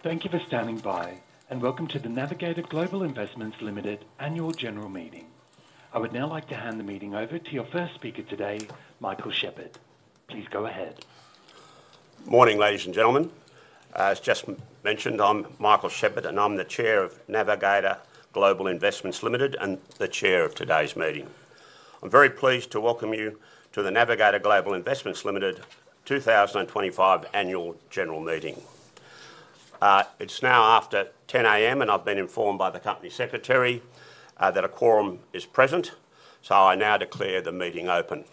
Thank you for standing by, and welcome to the Navigator Global Investments Limited annual general meeting. I would now like to hand the meeting over to your first speaker today, Michael Shepherd. Please go ahead. Morning, ladies and gentlemen. As just mentioned, I'm Michael Shepherd, and I'm the Chair of Navigator Global Investments Limited and the Chair of today's meeting. I'm very pleased to welcome you to the Navigator Global Investments Limited 2025 annual general meeting. It's now after 10:00 A.M., and I've been informed by the Company Secretary that a quorum is present, so I now declare the meeting open.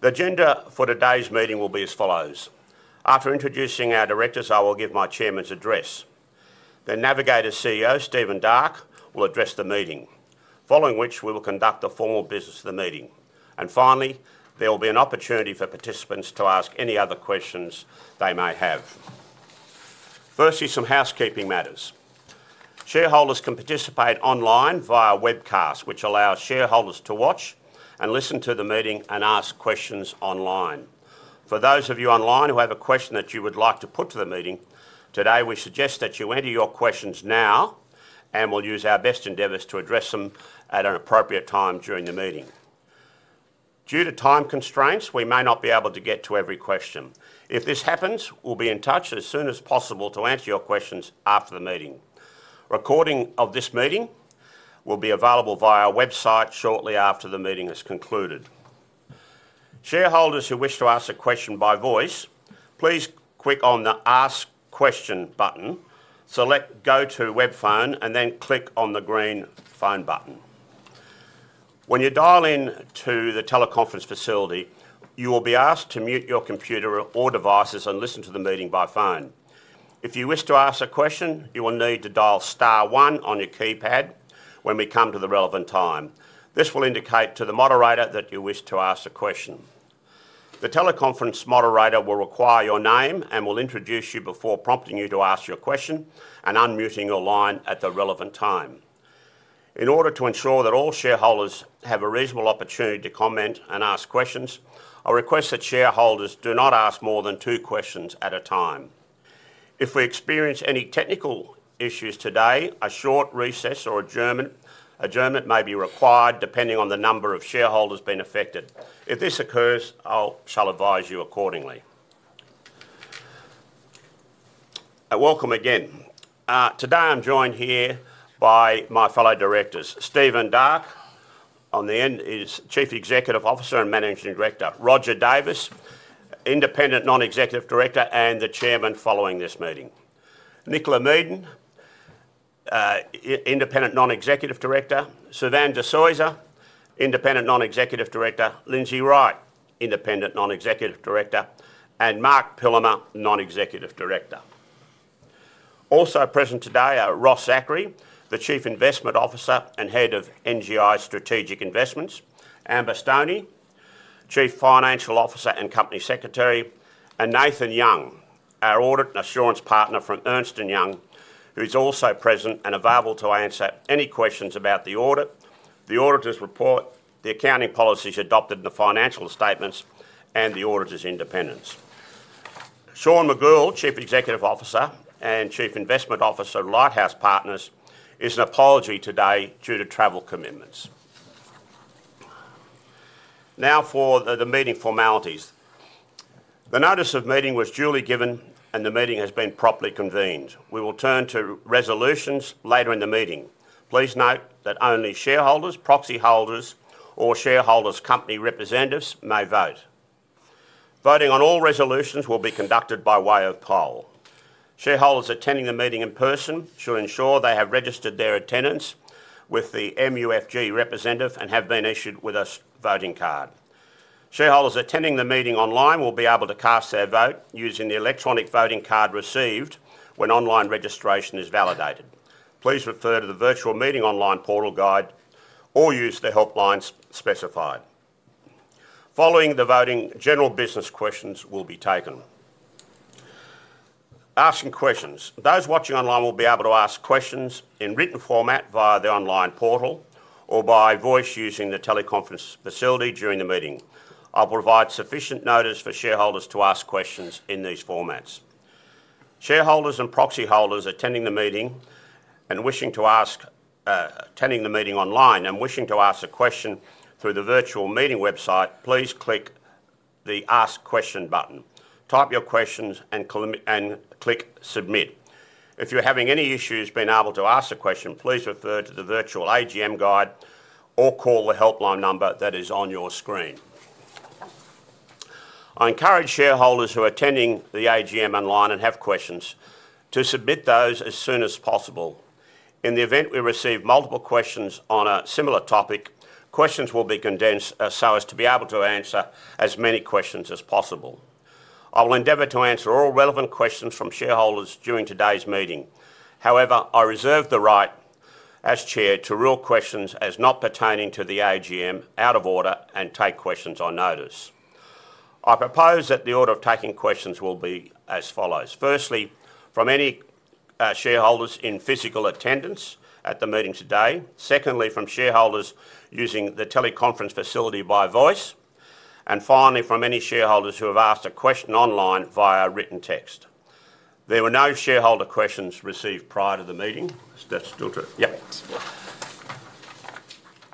The agenda for today's meeting will be as follows. After introducing our directors, I will give my Chairman's address. The Navigator CEO, Stephen Darke, will address the meeting, following which we will conduct the formal business of the meeting. Finally, there will be an opportunity for participants to ask any other questions they may have. Firstly, some housekeeping matters. Shareholders can participate online via webcast, which allows shareholders to watch and listen to the meeting and ask questions online. For those of you online who have a question that you would like to put to the meeting today, we suggest that you enter your questions now, and we'll use our best endeavors to address them at an appropriate time during the meeting. Due to time constraints, we may not be able to get to every question. If this happens, we'll be in touch as soon as possible to answer your questions after the meeting. Recording of this meeting will be available via our website shortly after the meeting has concluded. Shareholders who wish to ask a question by voice, please click on the Ask Question button, select Go to Web Phone, and then click on the green Phone button. When you dial into the teleconference facility, you will be asked to mute your computer or devices and listen to the meeting by phone. If you wish to ask a question, you will need to dial star one on your keypad when we come to the relevant time. This will indicate to the moderator that you wish to ask a question. The teleconference moderator will require your name and will introduce you before prompting you to ask your question and unmuting your line at the relevant time. In order to ensure that all shareholders have a reasonable opportunity to comment and ask questions, I request that shareholders do not ask more than two questions at a time. If we experience any technical issues today, a short recess or adjournment may be required depending on the number of shareholders being affected. If this occurs, I shall advise you accordingly. Welcome again. Today I'm joined here by my fellow directors, Stephen Darke, on the end is Chief Executive Officer and Managing Director, Roger Davis, Independent Non-Executive Director, and the Chairman following this meeting. Nicola Meaden, Independent Non-Executive Director, Suvan de Soysa, Independent Non-Executive Director, Lindsay Wright, Independent Non-Executive Director, and Marc Pillimer, Non-Executive Director. Also present today are Ross Zachary, the Chief Investment Officer and Head of NGI Strategic Investments, Amber Stoney, Chief Financial Officer and Company Secretary, and Nathan Young, our Audit and Assurance Partner from Ernst & Young, who is also present and available to answer any questions about the audit, the auditor's report, the accounting policies adopted in the financial statements, and the auditor's independence. Sean McGould, Chief Executive Officer and Chief Investment Officer of Lighthouse Investment Partners, is an apology today due to travel commitments. Now for the meeting formalities. The notice of meeting was duly given, and the meeting has been properly convened. We will turn to resolutions later in the meeting. Please note that only shareholders, proxy holders, or shareholders' company representatives may vote. Voting on all resolutions will be conducted by way of poll. Shareholders attending the meeting in person should ensure they have registered their attendance with the MUFG representative and have been issued with a voting card. Shareholders attending the meeting online will be able to cast their vote using the electronic voting card received when online registration is validated. Please refer to the virtual meeting online portal guide or use the helplines specified. Following the voting, general business questions will be taken. Asking questions. Those watching online will be able to ask questions in written format via the online portal or by voice using the teleconference facility during the meeting. I'll provide sufficient notice for shareholders to ask questions in these formats. Shareholders and proxy holders attending the meeting and wishing to ask a question through the virtual meeting website, please click the Ask Question button. Type your questions and click Submit. If you're having any issues being able to ask a question, please refer to the virtual AGM guide or call the helpline number that is on your screen. I encourage shareholders who are attending the AGM online and have questions to submit those as soon as possible. In the event we receive multiple questions on a similar topic, questions will be condensed so as to be able to answer as many questions as possible. I will endeavour to answer all relevant questions from shareholders during today's meeting. However, I reserve the right as Chair to rule questions as not pertaining to the AGM, out of order, and take questions on notice. I propose that the order of taking questions will be as follows. Firstly, from any shareholders in physical attendance at the meeting today. Secondly, from shareholders using the teleconference facility by voice. Finally, from any shareholders who have asked a question online via written text. There were no shareholder questions received prior to the meeting. Is that still true? Yeah.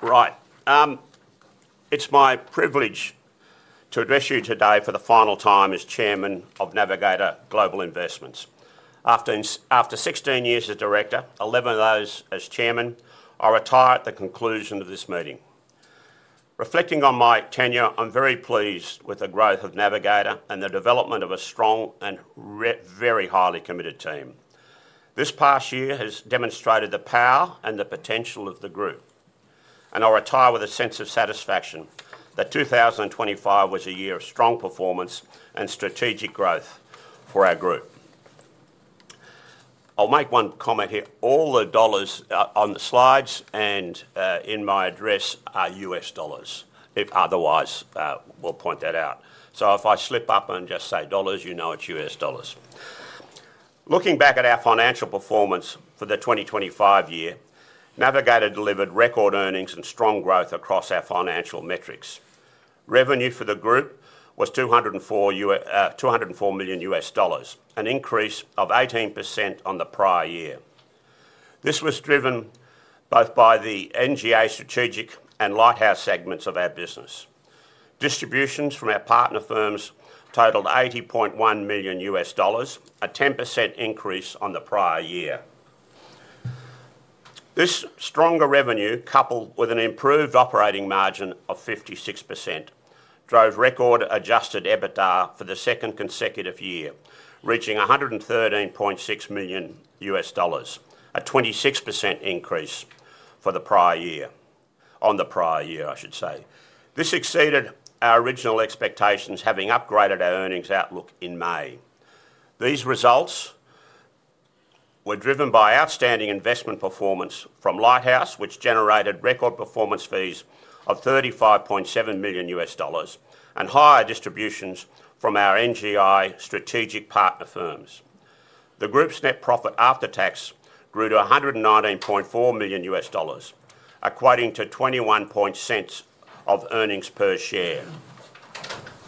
Right. It's my privilege to address you today for the final time as Chairman of Navigator Global Investments. After 16 years as Director, 11 of those as Chairman, I retire at the conclusion of this meeting. Reflecting on my tenure, I'm very pleased with the growth of Navigator and the development of a strong and very highly committed team. This past year has demonstrated the power and the potential of the Group, and I retire with a sense of satisfaction that 2025 was a year of strong performance and strategic growth for our Group. I'll make one comment here. All the dollars on the slides and in my address are U.S. dollars. If otherwise, we'll point that out. If I slip up and just say dollars, you know it's U.S. dollars. Looking back at our financial performance for the 2025 year, Navigator delivered record earnings and strong growth across our financial metrics. Revenue for the Group was $204 million, an increase of 18% on the prior year. This was driven both by the NGI Strategic and Lighthouse segments of our business. Distributions from our partner firms totaled $80.1 million, a 10% increase on the prior year. This stronger revenue, coupled with an improved operating margin of 56%, drove record adjusted EBITDA for the second consecutive year, reaching $113.6 million, a 26% increase on the prior year. On the prior year, I should say. This exceeded our original expectations, having upgraded our earnings outlook in May. These results were driven by outstanding investment performance from Lighthouse, which generated record performance fees of $35.7 million and higher distributions from our NGI Strategic Partner Firms. The Group's net profit after tax grew to $119.4 million, equating to $0.21 of earnings per share.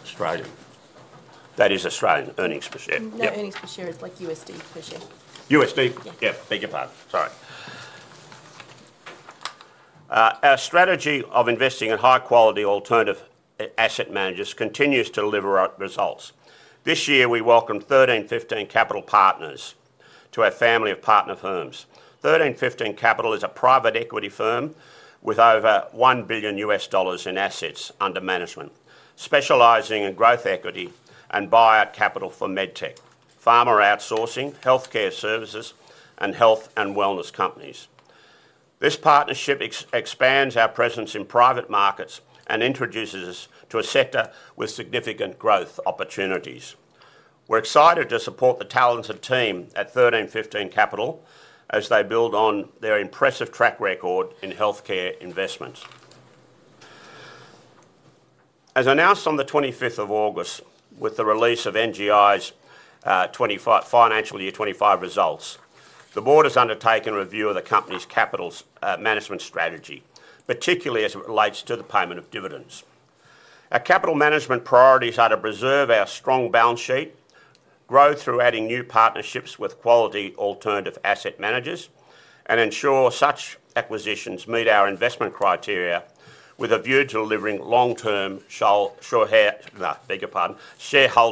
Australian. That is Australian earnings per share. Yeah, earnings per share is like USD per share. USD? Yeah. Yeah, bigger part. Sorry. Our strategy of investing in high-quality alternative asset managers continues to deliver results. This year, we welcomed 1315 Capital Partners to our family of Partner Firms. 1315 Capital is a private equity firm with over $1 billion in assets under management, specializing in growth equity and buyout capital for medtech, pharma outsourcing, healthcare services, and health and wellness companies. This partnership expands our presence in private markets and introduces us to a sector with significant growth opportunities. We're excited to support the talented team at 1315 Capital as they build on their impressive track record in healthcare investments. As announced on the 25th of August with the release of NGI's financial year 2025 results, the Board has undertaken a review of the company's capital management strategy, particularly as it relates to the payment of dividends. Our Capital Management priorities are to preserve our strong balance sheet, grow through adding new partnerships with quality alternative asset managers, and ensure such acquisitions meet our investment criteria with a view to delivering long-term shareholder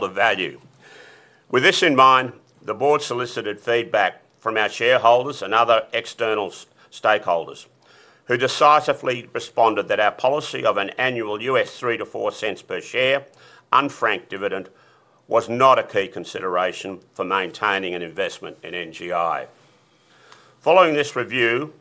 value. With this in mind, the board solicited feedback from our shareholders and other external stakeholders who decisively responded that our policy of an annual $0.03-$0.04 per share unfranked dividend was not a key consideration for maintaining an investment in NGI. Following this review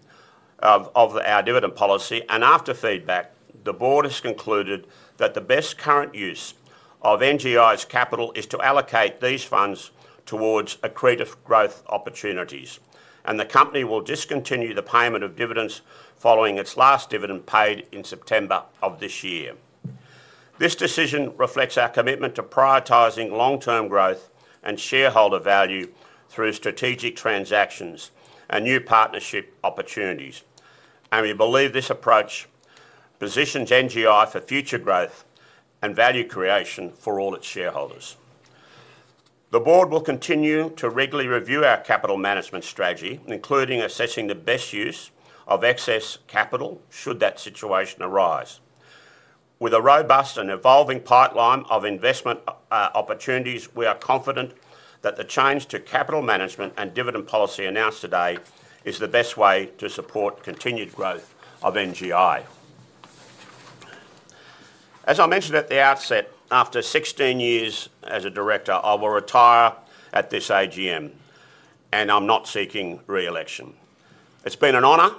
of our dividend policy and after feedback, the board has concluded that the best current use of NGI's capital is to allocate these funds towards accretive growth opportunities, and the company will discontinue the payment of dividends following its last dividend paid in September of this year. This decision reflects our commitment to prioritizing long-term growth and shareholder value through strategic transactions and new partnership opportunities, and we believe this approach positions NGI for future growth and value creation for all its shareholders. The Board will continue to regularly review our capital management strategy, including assessing the best use of excess capital should that situation arise. With a robust and evolving pipeline of investment opportunities, we are confident that the change to capital management and dividend policy announced today is the best way to support continued growth of NGI. As I mentioned at the outset, after 16 years as a Director, I will retire at this AGM, and I'm not seeking re-election. It's been an honor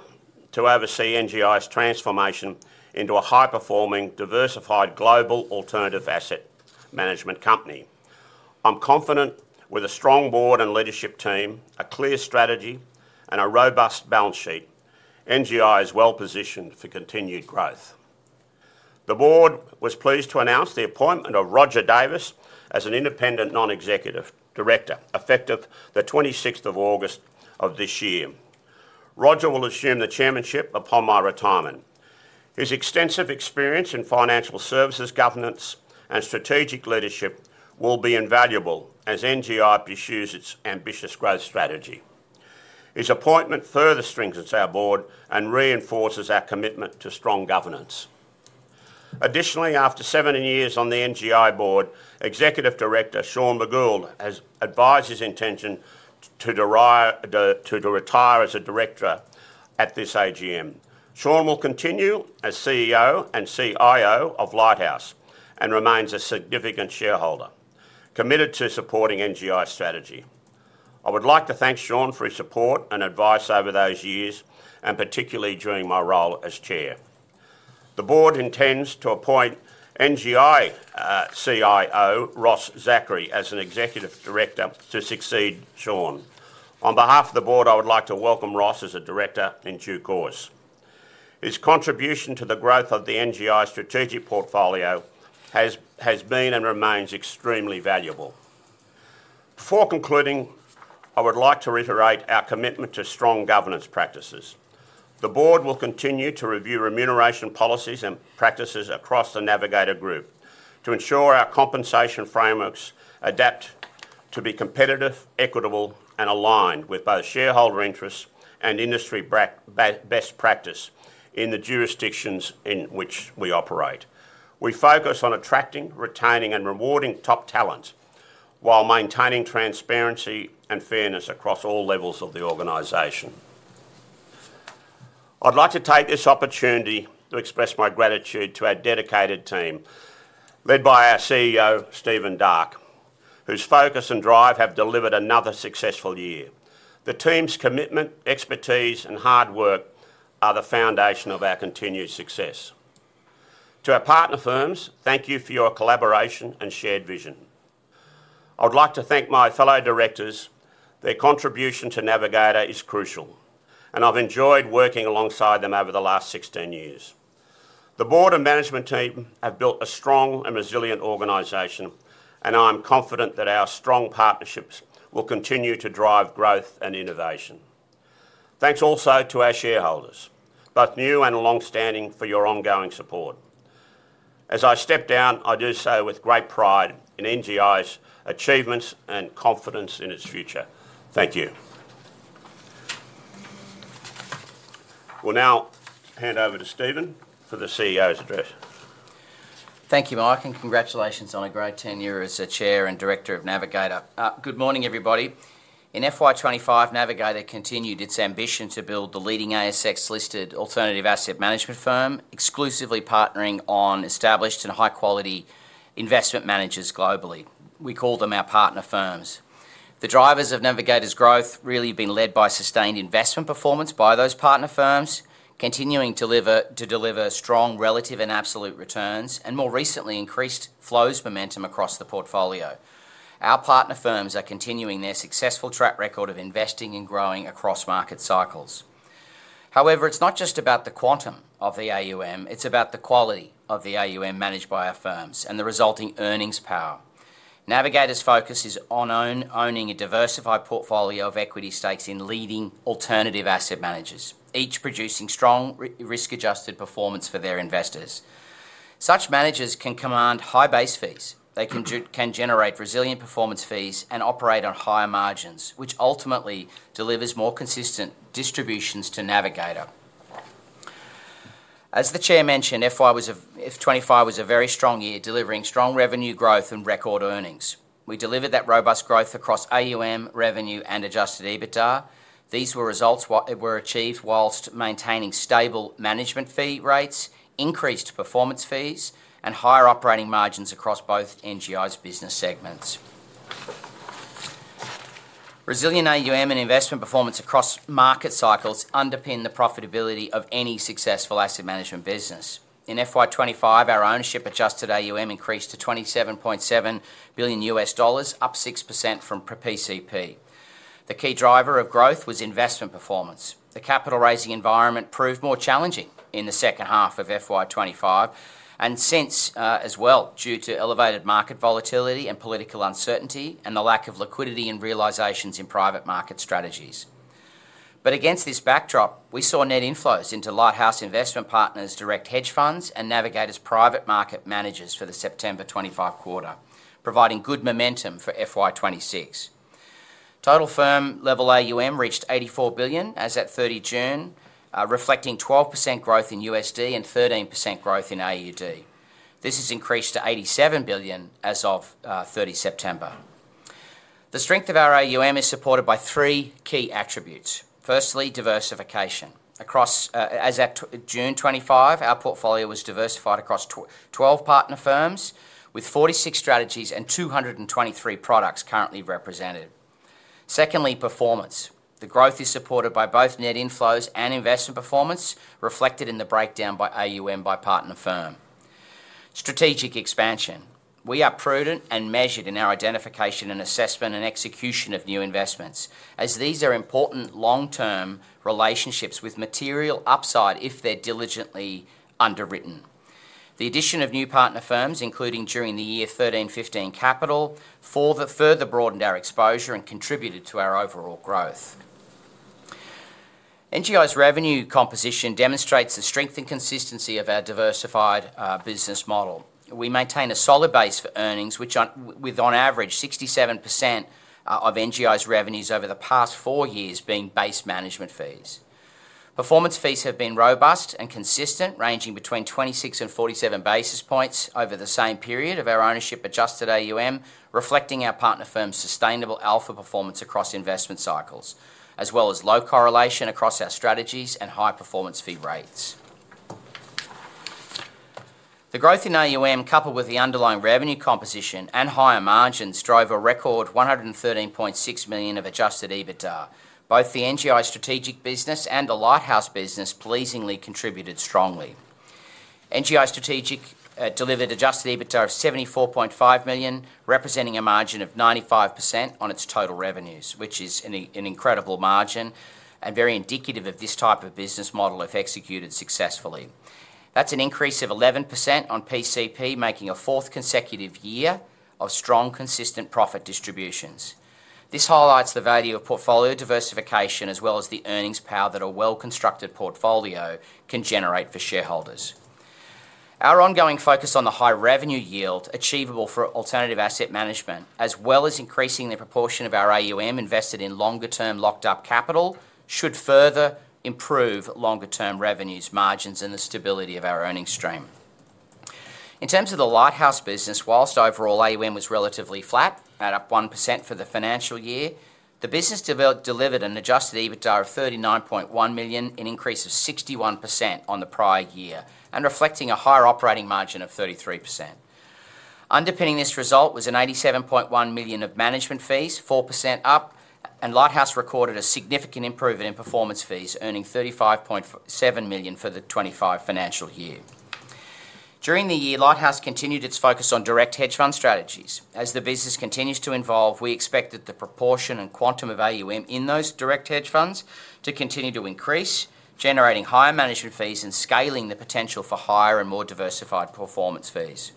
to oversee NGI's transformation into a high-performing, diversified global alternative asset management company. I'm confident with a strong board and leadership team, a clear strategy, and a robust balance sheet, NGI is well positioned for continued growth. The Board was pleased to announce the appointment of Roger Davis as an Independent Non-Executive Director effective the 26th of August of this year. Roger will assume the chairmanship upon my retirement. His extensive experience in financial services, governance, and strategic leadership will be invaluable as NGI pursues its ambitious growth strategy. His appointment further strengthens our Board and reinforces our commitment to strong governance. Additionally, after 17 years on the NGI board, Executive Director Sean McGould has advised his intention to retire as a Director at this AGM. Sean will continue as CEO and CIO of Lighthouse and remains a significant shareholder, committed to supporting NGI Strategy. I would like to thank Sean for his support and advice over those years, and particularly during my role as Chair. The Board intends to appoint NGI CIO Ross Zachary as an Executive Director to succeed Sean. On behalf of the Board, I would like to welcome Ross as a Director in due course. His contribution to the growth of the NGI Strategic Portfolio has been and remains extremely valuable. Before concluding, I would like to reiterate our commitment to strong governance practices. The Board will continue to review remuneration policies and practices across the Navigator Group to ensure our compensation frameworks adapt to be competitive, equitable, and aligned with both shareholder interests and industry best practice in the jurisdictions in which we operate. We focus on attracting, retaining, and rewarding top talent while maintaining transparency and fairness across all levels of the organization. I'd like to take this opportunity to express my gratitude to our dedicated team, led by our CEO, Stephen Darke, whose focus and drive have delivered another successful year. The team's commitment, expertise, and hard work are the foundation of our continued success. To our Partner DFirms, thank you for your collaboration and shared vision. I'd like to thank my fellow Directors. Their contribution to Navigator is crucial, and I've enjoyed working alongside them over the last 16 years. The Board and Management Team have built a strong and resilient organization, and I'm confident that our strong partnerships will continue to drive growth and innovation. Thanks also to our shareholders, both new and long-standing, for your ongoing support. As I step down, I do so with great pride in NGI's achievements and confidence in its future. Thank you. We'll now hand over to Stephen for the CEO's address. Thank you, Mike, and congratulations on a great tenure as the Chair and Director of Navigator. Good morning, everybody. In FY25, Navigator continued its ambition to build the leading ASX-listed alternative asset management firm, exclusively partnering on established and high-quality investment managers globally. We call them our Partner Firms. The drivers of Navigator's growth really have been led by sustained investment performance by those Partner Firms, continuing to deliver strong relative and absolute returns, and more recently, increased flows momentum across the portfolio. Our Partner Firms are continuing their successful track record of investing and growing across market cycles. However, it is not just about the quantum of the AUM; it is about the quality of the AUM managed by our firms and the resulting earnings power. Navigator's focus is on owning a diversified portfolio of equity stakes in leading alternative asset managers, each producing strong risk-adjusted performance for their investors. Such managers can command high base fees. They can generate resilient performance fees and operate on higher margins, which ultimately delivers more consistent distributions to Navigator. As the Chair mentioned, FY25 was a very strong year, delivering strong revenue growth and record earnings. We delivered that robust growth across AUM, revenue, and adjusted EBITDA. These were results that were achieved whilst maintaining stable management fee rates, increased performance fees, and higher operating margins across both NGI's business segments. Resilient AUM and investment performance across market cycles underpin the profitability of any successful asset management business. In FY25, our ownership adjusted AUM increased to $27.7 billion, up 6% from PCP. The key driver of growth was investment performance. The capital-raising environment proved more challenging in the second half of FY25 and since as well due to elevated market volatility and political uncertainty and the lack of liquidity and realisations in private market strategies. Against this backdrop, we saw net inflows into Lighthouse Investment Partners' direct hedge funds and Navigator's private market managers for the September 2025 quarter, providing good momentum for FY26. Total firm-level AUM reached $84 billion as at 30 June, reflecting 12% growth in USD and 13% growth in AUD. This has increased to $87 billion as of 30 September. The strength of our AUM is supported by three key attributes. Firstly, Diversification. As of June 2025, our portfolio was diversified across 12 partner firms with 46 strategies and 223 products currently represented. Secondly, Performance. The growth is supported by both net inflows and investment performance, reflected in the breakdown by AUM by Partner Firm. Strategic Expansion. We are prudent and measured in our identification and assessment and execution of new investments, as these are important long-term relationships with material upside if they're diligently underwritten. The addition of new Partner Firms, including during the year 1315 Capital, further broadened our exposure and contributed to our overall growth. NGI's revenue composition demonstrates the strength and consistency of our diversified business model. We maintain a solid base for earnings, with on average 67% of NGI's revenues over the past four years being base management fees. Performance fees have been robust and consistent, ranging between 26 and 47 basis points over the same period of our ownership adjusted AUM, reflecting our Partner Firm's sustainable alpha performance across investment cycles, as well as low correlation across our strategies and high performance fee rates. The growth in AUM, coupled with the underlying revenue composition and higher margins, drove a record $113.6 million of adjusted EBITDA. Both the NGI Strategic business and the Lighthouse business pleasingly contributed strongly. NGI Strategic delivered adjusted EBITDA of $74.5 million, representing a margin of 95% on its total revenues, which is an incredible margin and very indicative of this type of business model if executed successfully. That's an increase of 11% on PCP, making a fourth consecutive year of strong, consistent profit distributions. This highlights the value of Portfolio Diversification, as well as the earnings power that a well-constructed portfolio can generate for shareholders. Our ongoing focus on the high revenue yield achievable for alternative asset management, as well as increasing the proportion of our AUM invested in longer-term locked-up capital, should further improve longer-term revenues, margins, and the stability of our earnings stream. In terms of the Lighthouse business, whilst overall AUM was relatively flat, at up 1% for the financial year, the business delivered an adjusted EBITDA of $39.1 million, an increase of 61% on the prior year, and reflecting a higher operating margin of 33%. Underpinning this result was $87.1 million of management fees, 4% up, and Lighthouse recorded a significant improvement in performance fees, earning $35.7 million for the 2025 financial year. During the year, Lighthouse continued its focus on direct hedge fund strategies. As the business continues to evolve, we expect that the proportion and quantum of AUM in those direct hedge funds to continue to increase, generating higher management fees and scaling the potential for higher and more diversified performance fees.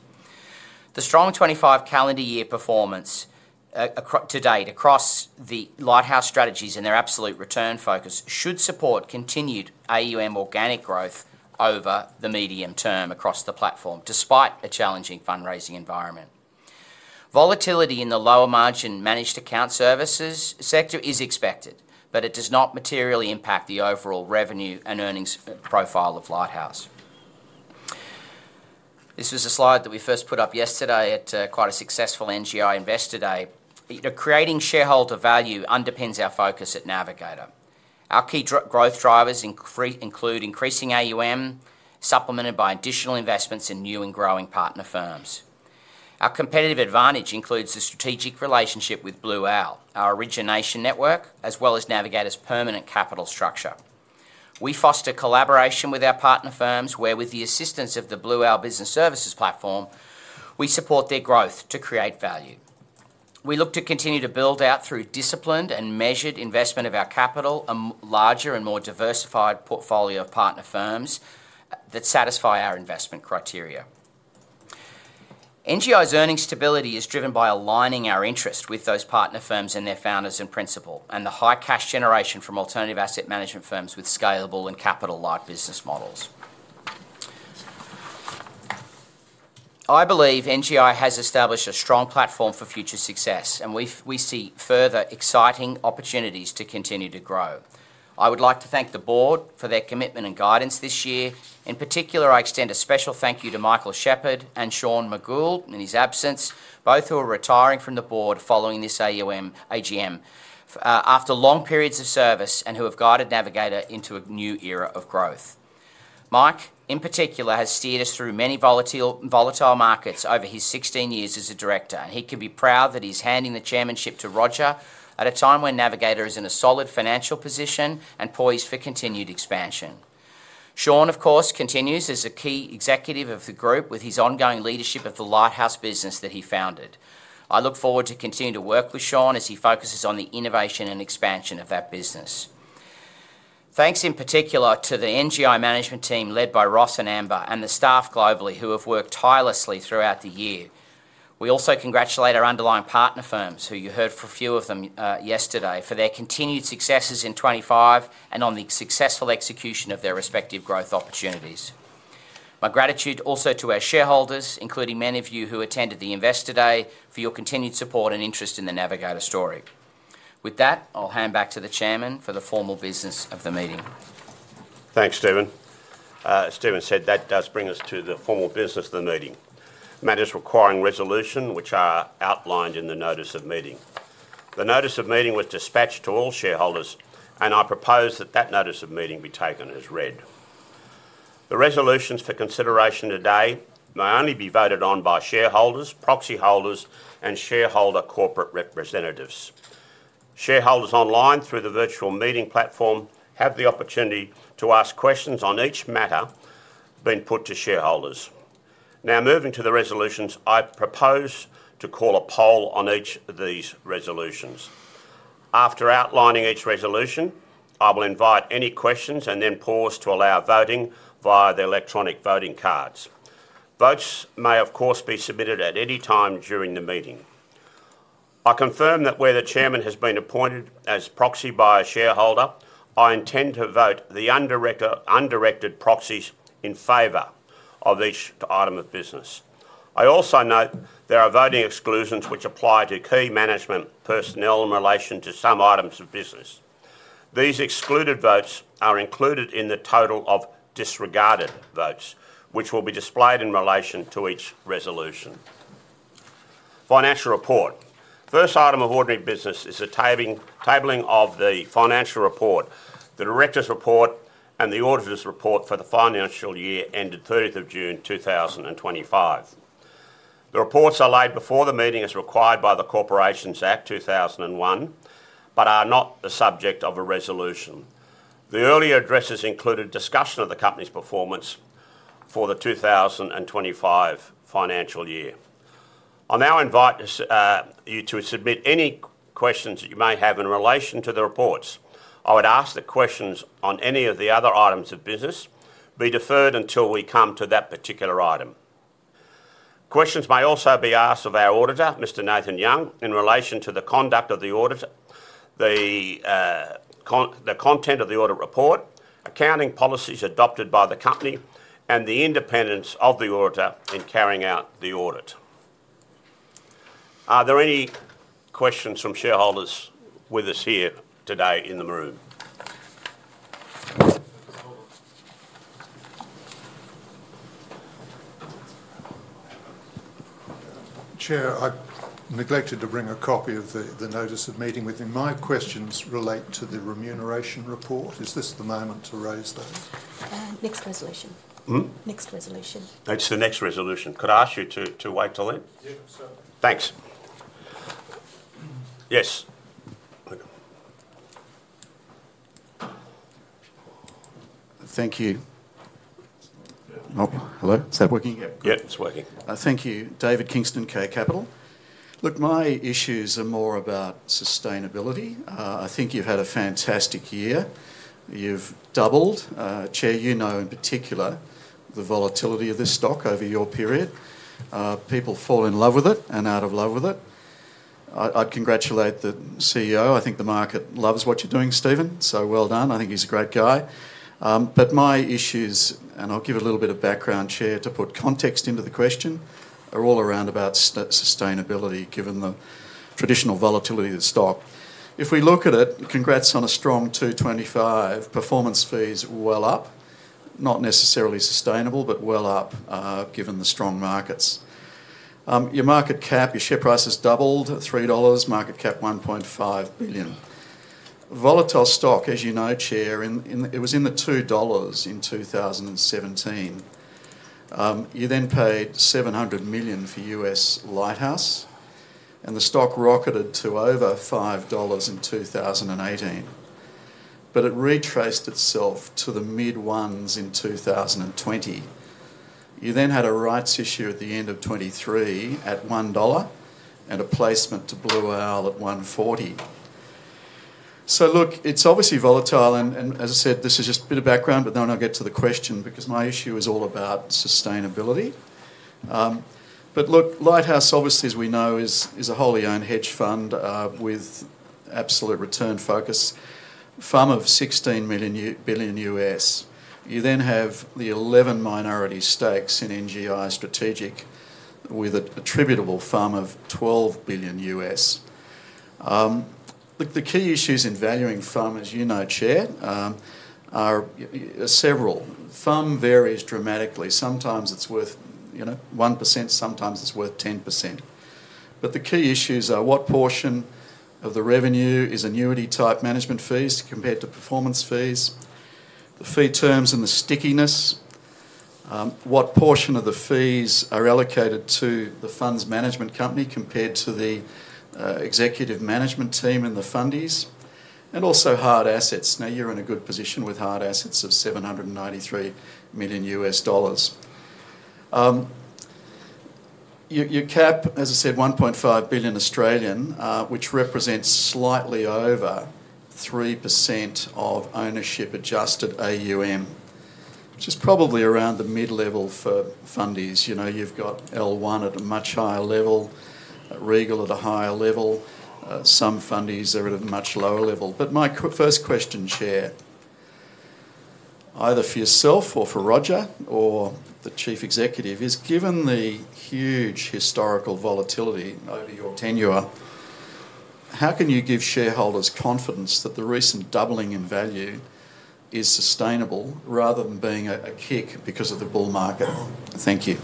The strong 25 calendar year performance to date across the Lighthouse strategies and their absolute return focus should support continued AUM organic growth over the medium term across the platform, despite a challenging fundraising environment. Volatility in the lower margin managed account services sector is expected, but it does not materially impact the overall revenue and earnings profile of Lighthouse. This was a slide that we first put up yesterday at quite a successful NGI Investor Day. Creating shareholder value underpins our focus at Navigator. Our key growth drivers include increasing AUM, supplemented by additional investments in new and growing Partner Firms. Our competitive advantage includes the strategic relationship with Blue Owl, our origination network, as well as Navigator's permanent capital structure. We foster collaboration with our partner firms, where with the assistance of the Blue Owl Business Services platform, we support their growth to create value. We look to continue to build out through disciplined and measured investment of our capital a larger and more diversified portfolio of Partner Firms that satisfy our investment criteria. NGI's earnings stability is driven by aligning our interest with those Partner Firms and their founders in principle, and the high cash generation from alternative asset management firms with scalable and capital-like business models. I believe NGI has established a strong platform for future success, and we see further exciting opportunities to continue to grow. I would like to thank the Board for their commitment and guidance this year. In particular, I extend a special thank you to Michael Shepherd and Sean McGould in his absence, both who are retiring from the board following this AGM after long periods of service and who have guided Navigator into a new era of growth. Mike, in particular, has steered us through many volatile markets over his 16 years as a Director, and he can be proud that he's handing the chairmanship to Roger at a time when Navigator is in a solid financial position and poised for continued expansion. Sean, of course, continues as a key executive of the Group with his ongoing leadership of the Lighthouse business that he founded. I look forward to continuing to work with Sean as he focuses on the innovation and expansion of that business. Thanks in particular to the NGI management team led by Ross and Amber and the staff globally who have worked tirelessly throughout the year. We also congratulate our underlying Partner Firms, who you heard for a few of them yesterday, for their continued successes in 2025 and on the successful execution of their respective growth opportunities. My gratitude also to our shareholders, including many of you who attended the Investor Day, for your continued support and interest in the Navigator story. With that, I'll hand back to the Chairman for the formal business of the meeting. Thanks, Stephen. As Stephen said, that does bring us to the formal business of the meeting. Matters requiring resolution, which are outlined in the notice of meeting. The notice of meeting was dispatched to all shareholders, and I propose that that notice of meeting be taken as read. The resolutions for consideration today may only be voted on by shareholders, proxy holders, and shareholder corporate representatives. Shareholders online through the virtual meeting platform have the opportunity to ask questions on each matter being put to shareholders. Now, moving to the resolutions, I propose to call a poll on each of these resolutions. After outlining each resolution, I will invite any questions and then pause to allow voting via the electronic voting cards. Votes may, of course, be submitted at any time during the meeting. I confirm that where the Chairman has been appointed as proxy by a shareholder, I intend to vote the undirected proxies in favor of each item of business. I also note there are voting exclusions which apply to key management personnel in relation to some items of business. These excluded votes are included in the total of disregarded votes, which will be displayed in relation to each resolution. Financial report. First item of ordinary business is the tabling of the financial report, the Director's report, and the auditor's report for the financial year ended 30 June 2025. The reports are laid before the meeting as required by the Corporations Act 2001, but are not the subject of a resolution. The earlier addresses included discussion of the company's performance for the 2025 financial year. I now invite you to submit any questions that you may have in relation to the reports. I would ask that questions on any of the other items of business be deferred until we come to that particular item. Questions may also be asked of our Auditor, Mr. Nathan Young, in relation to the conduct of the Audit, the content of the Audit report, accounting policies adopted by the company, and the independence of the Auditor in carrying out the Audit. Are there any questions from shareholders with us here today in the room? Chair, I neglected to bring a copy of the notice of meeting with me. My questions relate to the remuneration report. Is this the moment to raise those? Next resolution. Next resolution. That's the next resolution. Could I ask you to wait till then? Yeah, certainly. Thanks. Yes. Thank you. Hello? Is that working yet? Yeah, it's working. Thank you. David Kingston, K Capital. Look, my issues are more about sustainability. I think you've had a fantastic year. You've doubled. Chair, you know in particular the volatility of this stock over your period. People fall in love with it and out of love with it. I'd congratulate the CEO. I think the market loves what you're doing, Stephen, so well done. I think he's a great guy. My issues, and I'll give a little bit of background, Chair, to put context into the question, are all around about sustainability, given the traditional volatility of the stock. If we look at it, congrats on a strong 2025. Performance fees well up. Not necessarily sustainable, but well up given the strong markets. Your market cap, your share price has doubled, $3, market cap $1.5 billion. Volatile stock, as you know, Chair, it was in the $2 in 2017. You then paid $700 million for U.S. Lighthouse, and the stock rocketed to over $5 in 2018. It retraced itself to the mid-ones in 2020. You then had a rights issue at the end of 2023 at $1 and a placement to Blue Owl at $1.40. Look, it's obviously volatile, and as I said, this is just a bit of background, but then I'll get to the question because my issue is all about sustainability. Lighthouse, obviously, as we know, is a wholly owned hedge fund with absolute return focus, a firm of $16 billion U.S. You then have the 11 minority stakes in NGI Strategic with attributable firm of $12 billion U.S. The key issues in valuing firm, as you know, Chair, are several. Firm varies dramatically. Sometimes it's worth 1%, sometimes it's worth 10%. The key issues are what portion of the revenue is annuity-type management fees compared to performance fees, the fee terms and the stickiness, what portion of the fees are allocated to the funds management company compared to the executive management team and the fundies, and also hard assets. Now, you're in a good position with hard assets of $793 million. Your cap, as I said, 1.5 billion, which represents slightly over 3% of ownership-adjusted AUM, which is probably around the mid-level for fundies. You've got L1 at a much higher level, Regal at a higher level, some fundies are at a much lower level. My first question, Chair, either for yourself or for Roger or the Chief Executive, is given the huge historical volatility over your tenure, how can you give shareholders confidence that the recent doubling in value is sustainable rather than being a kick because of the bull market? Thank you.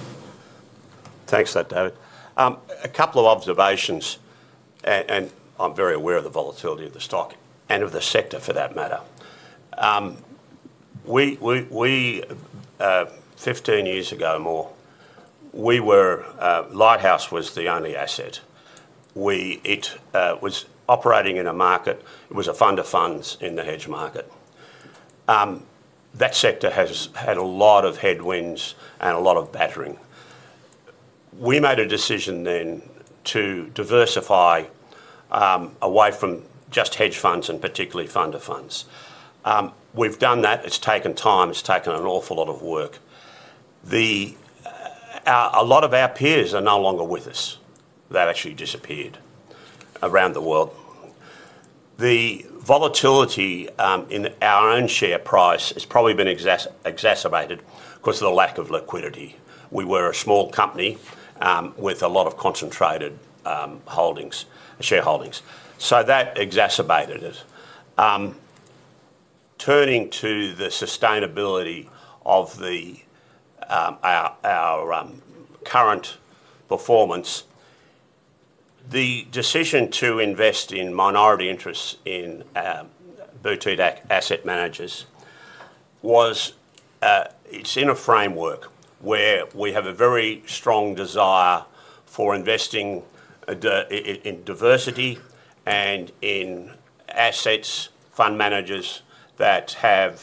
Thanks for that, David. A couple of observations, and I'm very aware of the volatility of the stock and of the sector for that matter. 15 years ago or more, Lighthouse was the only asset. It was operating in a market; it was a fund of funds in the hedge market. That sector has had a lot of headwinds and a lot of battering. We made a decision then to diversify away from just hedge funds and particularly fund of funds. We've done that. It's taken time. It's taken an awful lot of work. A lot of our peers are no longer with us. That actually disappeared around the world. The volatility in our own share price has probably been exacerbated because of the lack of liquidity. We were a small company with a lot of concentrated shareholdings. That exacerbated it. Turning to the sustainability of our current performance, the decision to invest in minority interests in Boutique Asset Managers was, it's in a framework where we have a very strong desire for investing in diversity and in assets, fund managers that have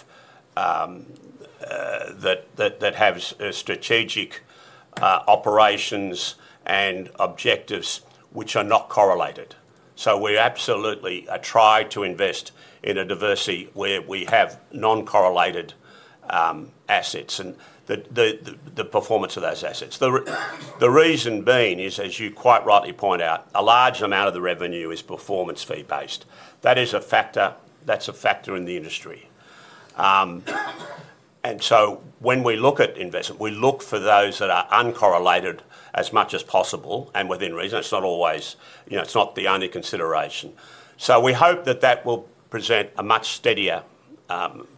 strategic operations and objectives which are not correlated. We absolutely try to invest in a diversity where we have non-correlated assets and the performance of those assets. The reason being is, as you quite rightly point out, a large amount of the revenue is performance fee-based. That is a factor. That's a factor in the industry. When we look at investment, we look for those that are uncorrelated as much as possible and within reason. It's not always, it's not the only consideration. We hope that that will present a much steadier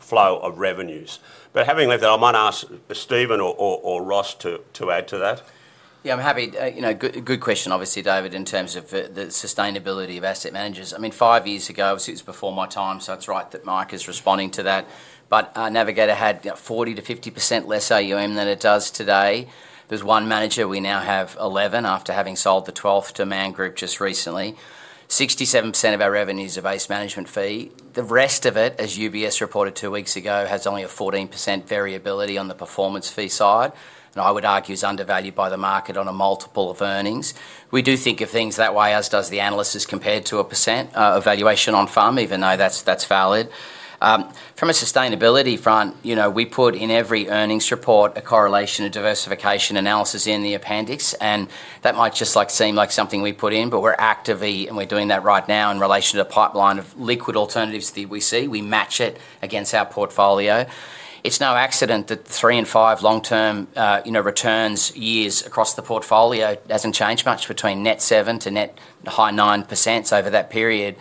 flow of revenues. But having said that, I might ask Stephen or Ross to add to that. Yeah, I'm happy. Good question, obviously, David, in terms of the sustainability of asset managers. I mean, five years ago, obviously, it was before my time, so it's right that Mike is responding to that. But Navigator had 40%-50% less AUM than it does today. There's one manager, we now have 11 after having sold the 12th to Man Group just recently. 67% of our revenues are base management fee. The rest of it, as UBS reported two weeks ago, has only a 14% variability on the performance fee side, and I would argue is undervalued by the market on a multiple of earnings. We do think of things that way, as do the analysts, as compared to a percent of valuation on firm, even though that's valid. From a sustainability front, we put in every earnings report a correlation and diversification analysis in the appendix, and that might just seem like something we put in, but we're actively, and we're doing that right now in relation to the pipeline of liquid alternatives that we see. We match it against our portfolio. It's no accident that three- and five-year long-term returns across the portfolio haven't changed much between net 7% to net high 9% over that period.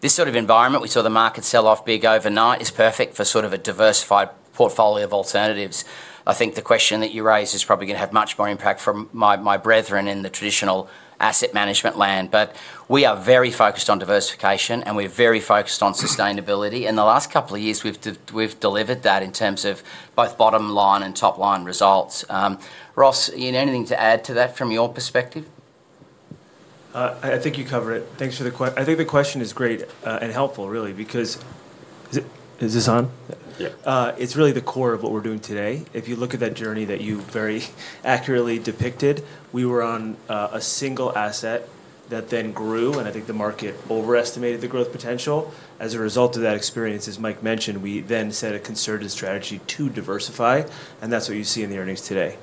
This sort of environment, we saw the market sell off big overnight, is perfect for sort of a diversified portfolio of alternatives. I think the question that you raise is probably going to have much more impact from my brethren in the traditional asset management land. We are very focused on Diversification, and we're very focused on sustainability. In the last couple of years, we've delivered that in terms of both bottom line and top line results. Ross, anything to add to that from your perspective? I think you cover it. Thanks for the question. I think the question is great and helpful, really, because is this on? Yeah. It's really the core of what we're doing today. If you look at that journey that you very accurately depicted, we were on a single asset that then grew, and I think the market overestimated the growth potential. As a result of that experience, as Mike mentioned, we then set a concerted strategy to diversify, and that's what you see in the earnings today.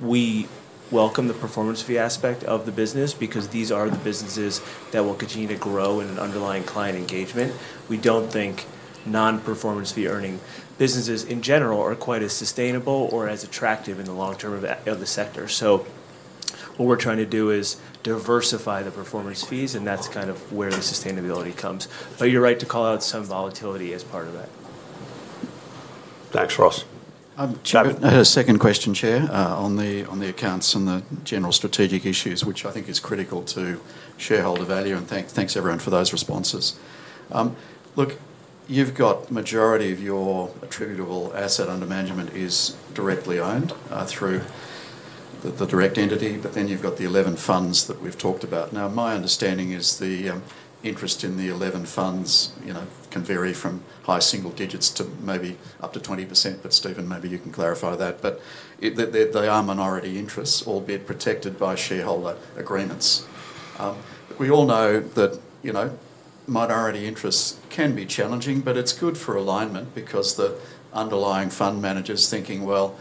We welcome the performance fee aspect of the business because these are the businesses that will continue to grow in an underlying client engagement. We don't think non-performance fee earning businesses in general are quite as sustainable or as attractive in the long term of the sector. What we're trying to do is diversify the performance fees, and that's kind of where the sustainability comes. You're right to call out some volatility as part of that. Thanks, Ross. I had a second question, Chair, on the accounts and the general strategic issues, which I think is critical to shareholder value. Thanks, everyone, for those responses. Look, you've got the majority of your attributable asset under management is directly owned through the direct entity, but then you've got the 11 funds that we've talked about. Now, my understanding is the interest in the 11 funds can vary from high single digits to maybe up to 20%, but Stephen, maybe you can clarify that. They are minority interests, albeit protected by shareholder agreements. We all know that minority interests can be challenging, but it's good for alignment because the underlying fund manager's thinking, "Well,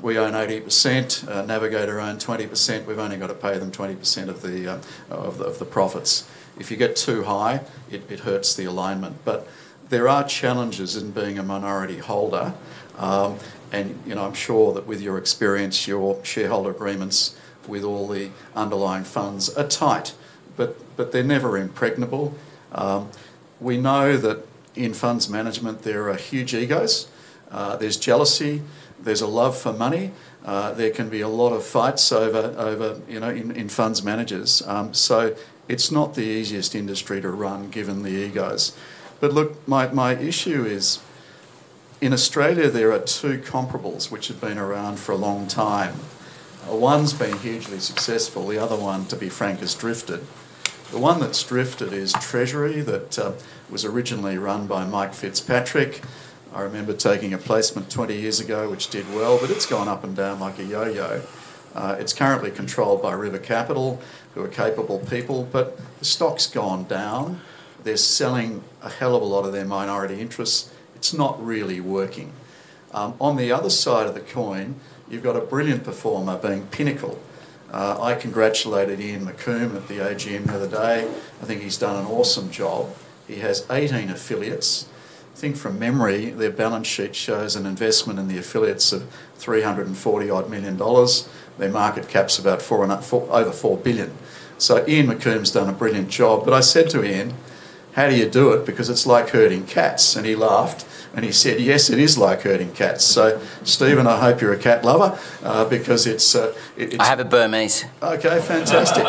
we own 80%. Navigator owned 20%. We've only got to pay them 20% of the profits." If you get too high, it hurts the alignment. There are challenges in being a minority holder, and I'm sure that with your experience, your shareholder agreements with all the underlying funds are tight, but they're never impregnable. We know that in funds management, there are huge egos. There's jealousy. There's a love for money. There can be a lot of fights in funds managers. It's not the easiest industry to run given the egos. Look, my issue is, in Australia, there are two comparables which have been around for a long time. One's been hugely successful. The other one, to be frank, has drifted. The one that's drifted is Treasury that was originally run by Mike Fitzpatrick. I remember taking a placement 20 years ago which did well, but it's gone up and down like a yo-yo. It's currently controlled by River Capital, who are capable people, but the stock's gone down. They're selling a hell of a lot of their minority interests. It's not really working. On the other side of the coin, you've got a brilliant performer being Pinnacle. I congratulated Ian McCormack at the AGM the other day. I think he's done an awesome job. He has 18 affiliates. I think from memory, their balance sheet shows an investment in the affiliates of $340 million. Their market cap's about over $4 billion. So Ian McCormack's done a brilliant job. I said to Ian, "How do you do it?" because it's like herding cats. He laughed and he said, "Yes, it is like herding cats." Stephen, I hope you're a cat lover because it's. I have a Burmese. Okay, fantastic.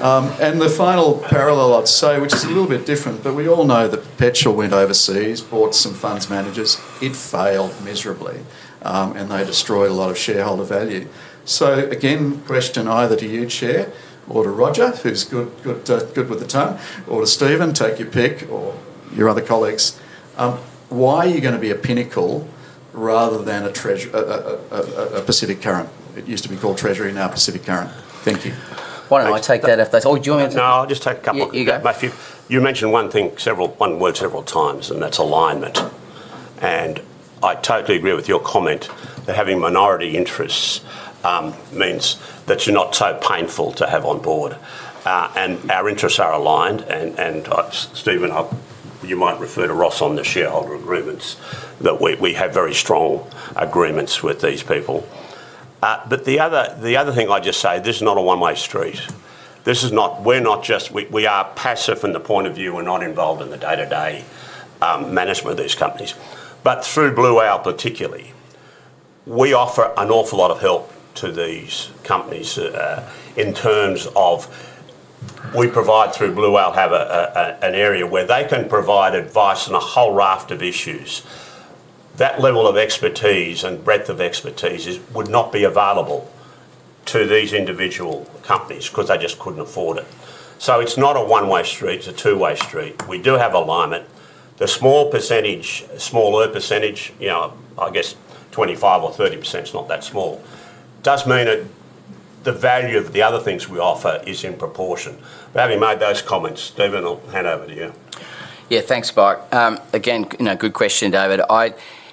The final parallel I'd say, which is a little bit different, but we all know that Perpetual went overseas, bought some funds managers. It failed miserably, and they destroyed a lot of shareholder value. Again, question either to you, Chair, or to Roger, who's good with the tongue, or to Stephen, take your pick, or your other colleagues. Why are you going to be a Pinnacle rather than a Pacific Current? It used to be called Treasury and now Pacific Current. Thank you. Why don't I take that if that's all? Do you want me to? No, I'll just take a couple. You got it. You mentioned one thing, one word several times, and that is alignment. I totally agree with your comment that having minority interests means that you are not so painful to have on board, and our interests are aligned. Stephen, you might refer to Ross on the shareholder agreements, that we have very strong agreements with these people. The other thing I would just say, this is not a one-way street. We are not just, we are passive from the point of view, we are not involved in the day-to-day management of these companies. Through Blue Owl particularly, we offer an awful lot of help to these companies in terms of, we provide through Blue Owl, have an area where they can provide advice on a whole raft of issues. That level of expertise and breadth of expertise would not be available to these individual companies because they just could not afford it. It is not a one-way street. It is a two-way street. We do have alignment. The small percentage, smaller percentage, I guess 25% or 30%, it is not that small, does mean that the value of the other things we offer is in proportion. Having made those comments, Stephen, I will hand over to you. Yeah, thanks, Mike. Again, good question, David.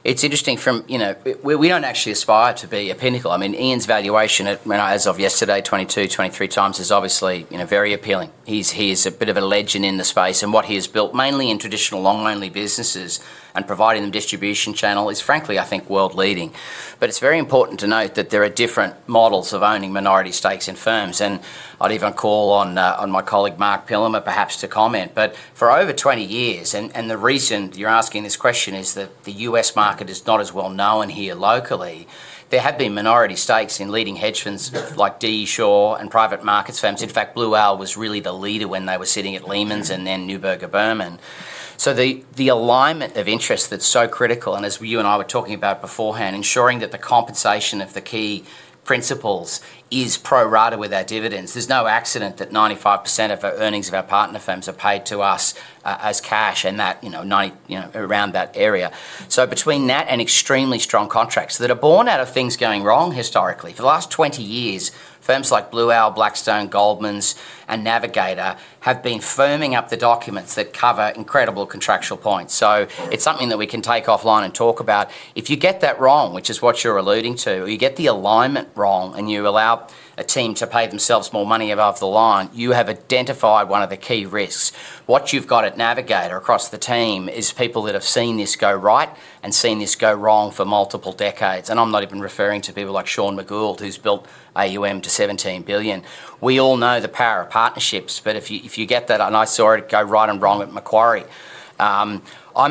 It's interesting from we don't actually aspire to be a Pinnacle. I mean, Ian's valuation as of yesterday, 22x-23x, is obviously very appealing. He is a bit of a legend in the space. And what he has built, mainly in traditional long-only businesses and providing them distribution channel, is frankly, I think, world-leading. It is very important to note that there are different models of owning minority stakes in firms. I'd even call on my colleague Marc Pillimer perhaps to comment. For over 20 years, and the reason you're asking this question is that the U.S. market is not as well known here locally, there have been minority stakes in leading hedge funds like D. E. Shaw and private markets firms. In fact, Blue Owl was really the leader when they were sitting at Lehman's and then Neuberger-Berman. The alignment of interest that's so critical, and as you and I were talking about beforehand, ensuring that the compensation of the key principals is pro rata with our dividends. There's no accident that 95% of our earnings of our Partner Firms are paid to us as cash and around that area. Between that and extremely strong contracts that are born out of things going wrong historically, for the last 20 years, firms like Blue Owl, Blackstone, Goldmans, and Navigator have been firming up the documents that cover incredible contractual points. It's something that we can take offline and talk about. If you get that wrong, which is what you're alluding to, or you get the alignment wrong and you allow a team to pay themselves more money above the line, you have identified one of the key risks. What you've got at Navigator across the team is people that have seen this go right and seen this go wrong for multiple decades. I'm not even referring to people like Sean McGould, who's built AUM to $17 billion. We all know the power of partnerships, but if you get that, and I saw it go right and wrong at Macquarie. I'm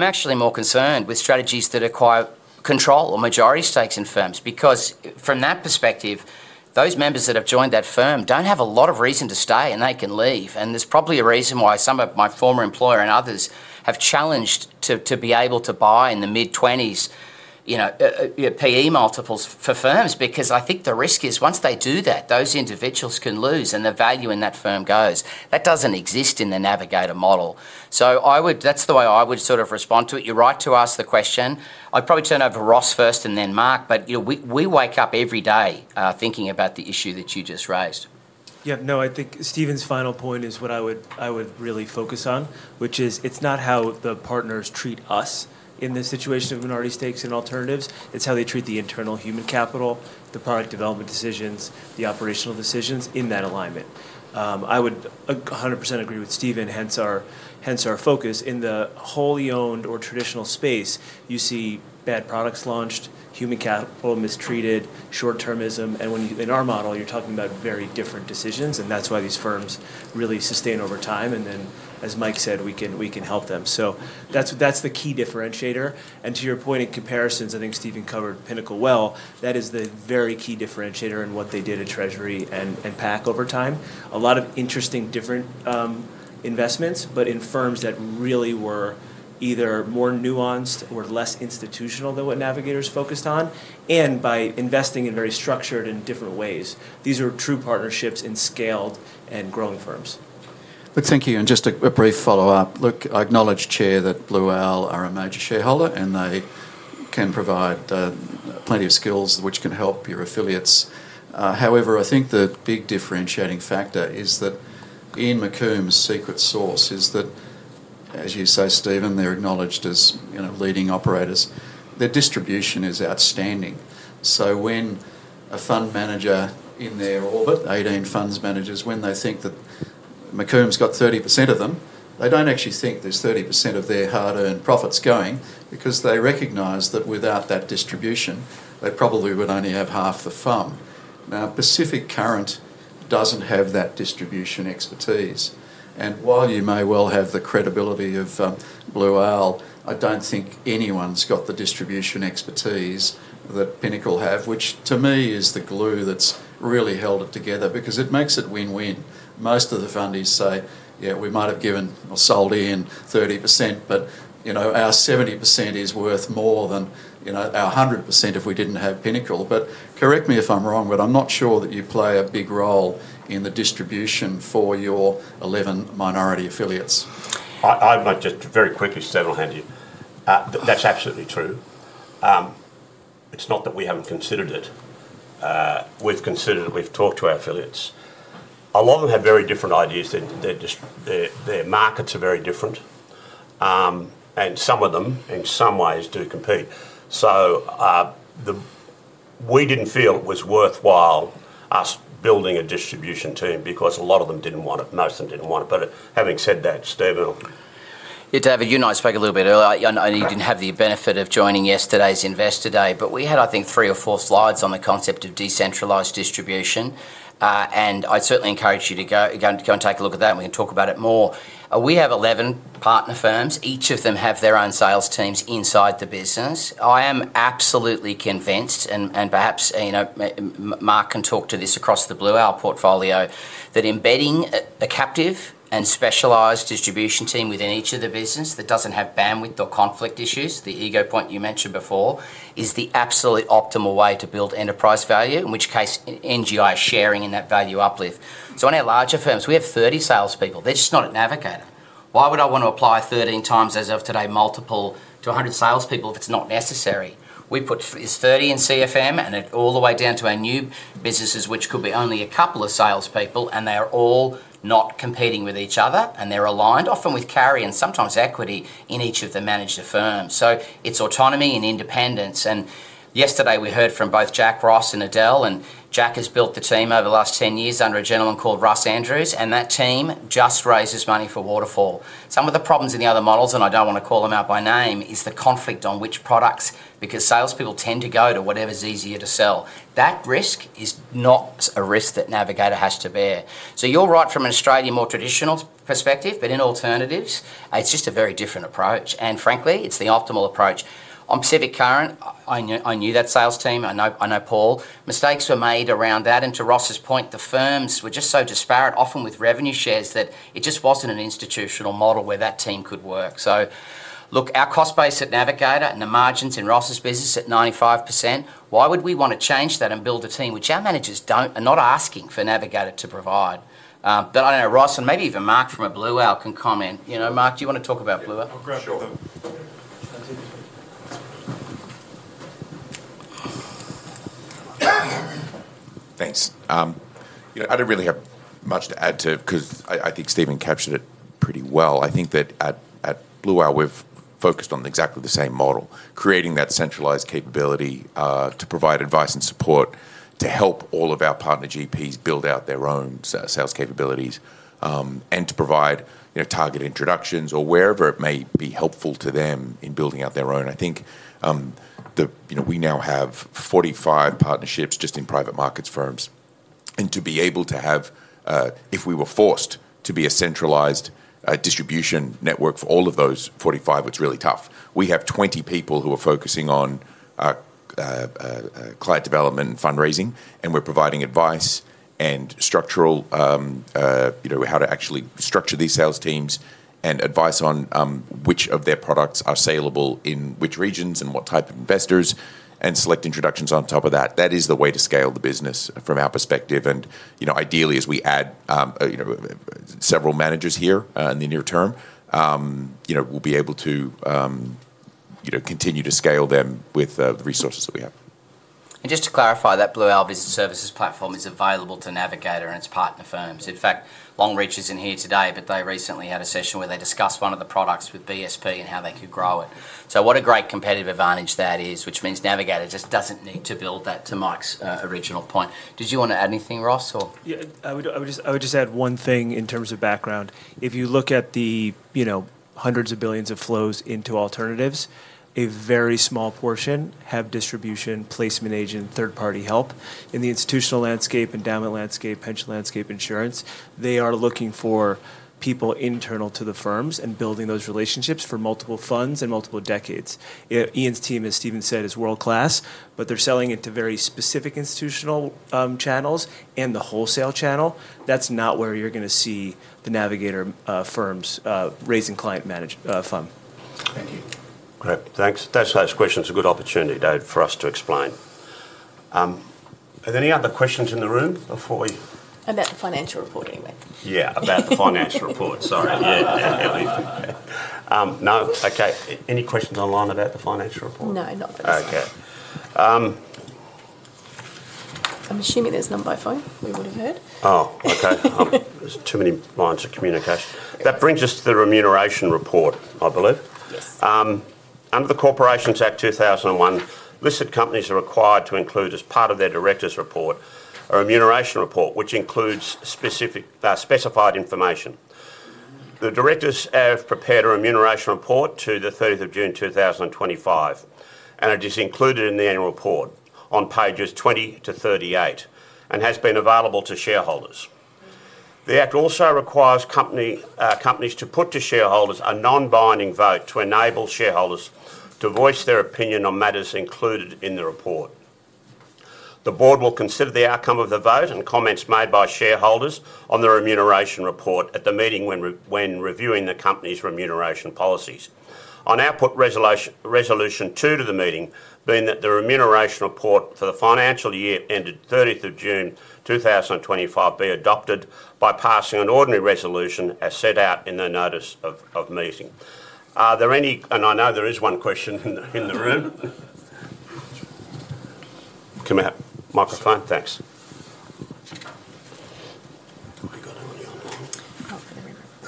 actually more concerned with strategies that acquire control or majority stakes in firms because from that perspective, those members that have joined that firm don't have a lot of reason to stay, and they can leave. There's probably a reason why some of my former employer and others have challenged to be able to buy in the mid-20s pay multiples for firms because I think the risk is once they do that, those individuals can lose and the value in that firm goes. That does not exist in the Navigator model. That is the way I would sort of respond to it. You are right to ask the question. I would probably turn over to Ross first and then Marc, but we wake up every day thinking about the issue that you just raised. Yeah, no, I think Stephen's final point is what I would really focus on, which is it's not how the partners treat us in this situation of minority stakes and alternatives. It's how they treat the internal human capital, the product development decisions, the operational decisions in that alignment. I would 100% agree with Stephen, hence our focus. In the wholly owned or traditional space, you see bad products launched, human capital mistreated, short-termism. In our model, you're talking about very different decisions, and that's why these firms really sustain over time. As Mike said, we can help them. That is the key differentiator. To your point in comparisons, I think Stephen covered Pinnacle well. That is the very key differentiator in what they did at Treasury and PAC over time. A lot of interesting different investments, but in firms that really were either more nuanced or less institutional than what Navigator's focused on, and by investing in very structured and different ways. These are true partnerships in scaled and growing firms. Thank you. Just a brief follow-up. I acknowledge, Chair, that Blue Owl are a major shareholder, and they can provide plenty of skills which can help your affiliates. However, I think the big differentiating factor is that Ian McCormack's secret sauce is that, as you say, Stephen, they are acknowledged as leading operators. Their distribution is outstanding. So when a fund manager in their orbit, 18 fund managers, when they think that McCormack's got 30% of them, they do not actually think there is 30% of their hard-earned profits going because they recognize that without that distribution, they probably would only have half the fund. Now, Pacific Current does not have that distribution expertise. While you may well have the credibility of Blue Owl, I do not think anyone's got the distribution expertise that Pinnacle have, which to me is the glue that's really held it together because it makes it win-win. Most of the funders say, "Yeah, we might have given or sold in 30%, but our 70% is worth more than our 100% if we did not have Pinnacle." Correct me if I am wrong, but I am not sure that you play a big role in the distribution for your 11 minority affiliates. I might just very quickly say, and I'll hand you, that's absolutely true. It's not that we haven't considered it. We've considered it. We've talked to our affiliates. A lot of them have very different ideas. Their markets are very different. And some of them, in some ways, do compete. We didn't feel it was worthwhile us building a distribution team because a lot of them didn't want it. Most of them didn't want it. But having said that, Stephen. Yeah, David, you and I spoke a little bit earlier. I know you did not have the benefit of joining yesterday's Investor Day, but we had, I think, three or four slides on the concept of decentralized distribution. I would certainly encourage you to go and take a look at that, and we can talk about it more. We have 11 Partner Firms. Each of them have their own sales teams inside the business. I am absolutely convinced, and perhaps Marc can talk to this across the Blue Owl portfolio, that embedding a captive and specialized distribution team within each of the businesses that does not have bandwidth or conflict issues, the ego point you mentioned before, is the absolute optimal way to build enterprise value, in which case NGI sharing in that value uplift. On our larger firms, we have 30 salespeople. They are just not at Navigator. Why would I want to apply 13x, as of today, multiple to 100 salespeople if it's not necessary? We put 30 in CFM and all the way down to our new businesses, which could be only a couple of salespeople, and they are all not competing with each other. They are aligned, often with carry and sometimes equity in each of the managed firms. It is autonomy and independence. Yesterday, we heard from both Jack Ross and Adele, and Jack has built the team over the last 10 years under a gentleman called Russ Andrews, and that team just raises money for Waterfall. Some of the problems in the other models, and I don't want to call them out by name, is the conflict on which products because salespeople tend to go to whatever's easier to sell. That risk is not a risk that Navigator has to bear. You're right from an Australian, more traditional perspective, but in alternatives, it's just a very different approach. Frankly, it's the optimal approach. On Pacific Current, I knew that sales team. I know Paul. Mistakes were made around that. To Ross's point, the firms were just so disparate, often with revenue shares, that it just wasn't an institutional model where that team could work. Look, our cost base at Navigator and the margins in Ross's business at 95%, why would we want to change that and build a team which our managers are not asking for Navigator to provide? I don't know, Ross and maybe even Marc from Blue Owl can comment. Marc, do you want to talk about Blue Owl? Sure. Thanks. I do not really have much to add to it because I think Stephen captured it pretty well. I think that at Blue Owl, we have focused on exactly the same model: creating that centralized capability to provide advice and support to help all of our partner GPs build out their own sales capabilities and to provide target introductions or wherever it may be helpful to them in building out their own. I think we now have 45 partnerships just in private markets firms. To be able to have, if we were forced to be a centralized distribution network for all of those 45, it is really tough. We have 20 people who are focusing on client development and fundraising, and we're providing advice and structural how to actually structure these sales teams and advice on which of their products are saleable in which regions and what type of investors and select introductions on top of that. That is the way to scale the business from our perspective. Ideally, as we add several managers here in the near term, we'll be able to continue to scale them with the resources that we have. Just to clarify, that Blue Owl Business Services platform is available to Navigator and its Partner Firms. In fact, Longreach is not here today, but they recently had a session where they discussed one of the products with BSP and how they could grow it. What a great competitive advantage that is, which means Navigator just does not need to build that to Mike's original point. Did you want to add anything, Ross, or? Yeah, I would just add one thing in terms of background. If you look at the hundreds of billions of flows into alternatives, a very small portion have distribution, placement agent, third-party help in the institutional landscape, endowment landscape, pension landscape, insurance. They are looking for people internal to the firms and building those relationships for multiple funds and multiple decades. Ian's team, as Stephen said, is world-class, but they're selling it to very specific institutional channels and the wholesale channel. That's not where you're going to see the Navigator firms raising client fund. Thank you. Great. Thanks. That's a question. It's a good opportunity, David, for us to explain. Are there any other questions in the room before we? About the financial report, anyway. Yeah, about the financial report. Sorry. Yeah. No. Okay. Any questions online about the financial report? No, not for this one. Okay. I'm assuming there's none by phone. We would have heard. Oh, okay. There's too many lines of communication. That brings us to the remuneration report, I believe. Under the Corporations Act 2001, listed companies are required to include, as part of their Directors' report, a remuneration report which includes specified information. The Directors have prepared a remuneration report to the 30th of June 2025 and it is included in the annual report on pages 20-38 and has been available to shareholders. The act also requires companies to put to shareholders a non-binding vote to enable shareholders to voice their opinion on matters included in the report. The board will consider the outcome of the vote and comments made by shareholders on the remuneration report at the meeting when reviewing the company's remuneration policies. I now put Resolution 2 to the meeting, being that the remuneration report for the financial year ended 30th of June 2025 be adopted by passing an ordinary resolution as set out in the notice of meeting. Are there any? I know there is one question in the room. Can we have a microphone? Thanks.